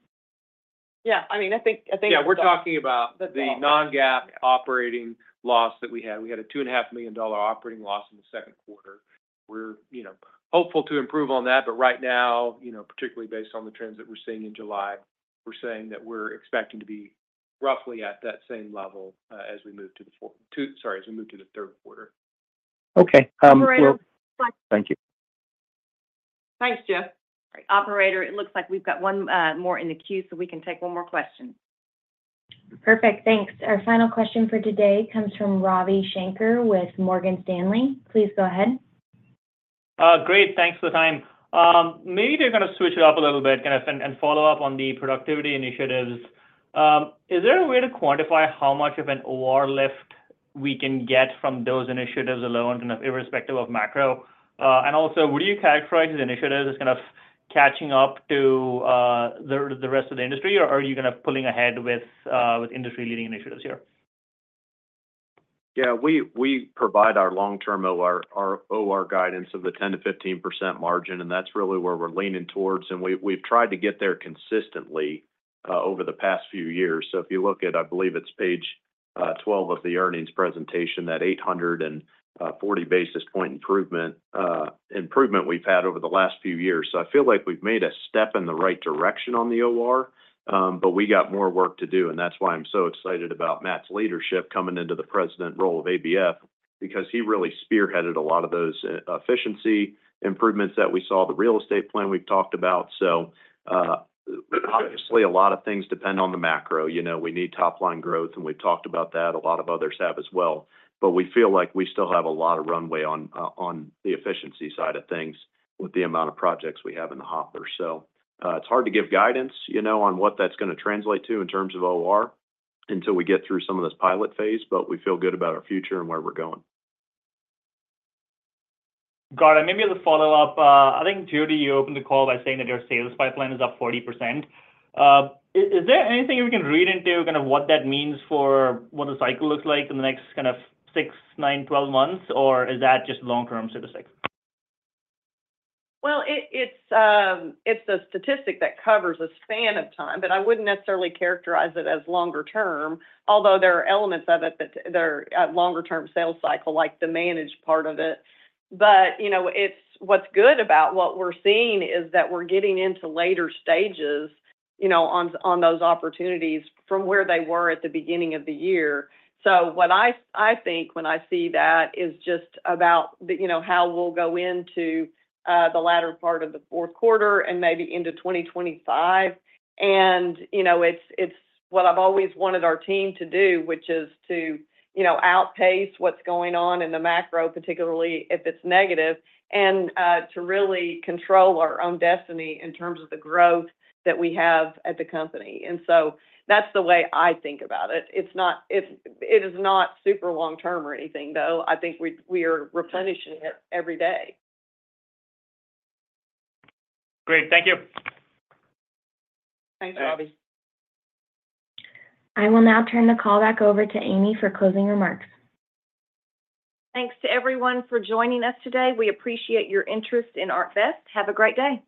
Yeah. I mean, I think. Yeah. We're talking about the non-GAAP operating loss that we had. We had a $2.5 million operating loss in the Q2. We're hopeful to improve on that. But right now, particularly based on the trends that we're seeing in July, we're saying that we're expecting to be roughly at that same level as we move to the fourth—sorry, as we move to the Q3. Okay. All right. Thank you. Thanks, Jeff. Operator, it looks like we've got one more in the queue, so we can take one more question. Perfect. Thanks. Our final question for today comes from Ravi Shanker with Morgan Stanley. Please go ahead. Great. Thanks for the time. Maybe they're going to switch it up a little bit and follow up on the productivity initiatives. Is there a way to quantify how much of an OR lift we can get from those initiatives alone, kind of irrespective of macro? And also, would you characterize these initiatives as kind of catching up to the rest of the industry, or are you kind of pulling ahead with industry-leading initiatives here? Yeah. We provide our long-term OR guidance of the 10%-15% margin, and that's really where we're leaning towards. We've tried to get there consistently over the past few years. So if you look at, I believe it's page 12 of the earnings presentation, that 840 basis point improvement we've had over the last few years. So I feel like we've made a step in the right direction on the OR, but we got more work to do. And that's why I'm so excited about Matt's leadership coming into the president role of ABF because he really spearheaded a lot of those efficiency improvements that we saw, the real estate plan we've talked about. So obviously, a lot of things depend on the macro. We need top-line growth, and we've talked about that. A lot of others have as well. But we feel like we still have a lot of runway on the efficiency side of things with the amount of projects we have in the hopper. So it's hard to give guidance on what that's going to translate to in terms of OR until we get through some of this pilot phase, but we feel good about our future and where we're going. Got it. Maybe a follow-up. I think, Judy, you opened the call by saying that your sales pipeline is up 40%. Is there anything we can read into kind of what that means for what the cycle looks like in the next kind of 6, 9, 12 months, or is that just long-term statistics? Well, it's a statistic that covers a span of time, but I wouldn't necessarily characterize it as longer term, although there are elements of it that are longer-term sales cycle, like the managed part of it. But what's good about what we're seeing is that we're getting into later stages on those opportunities from where they were at the beginning of the year. So what I think when I see that is just about how we'll go into the latter part of the Q4 and maybe into 2025. And it's what I've always wanted our team to do, which is to outpace what's going on in the macro, particularly if it's negative, and to really control our own destiny in terms of the growth that we have at the company. And so that's the way I think about it. It is not super long-term or anything, though. I think we are replenishing it every day. Great. Thank you. Thanks, Ravi. I will now turn the call back over to Amy for closing remarks. Thanks to everyone for joining us today. We appreciate your interest in ArcBest. Have a great day.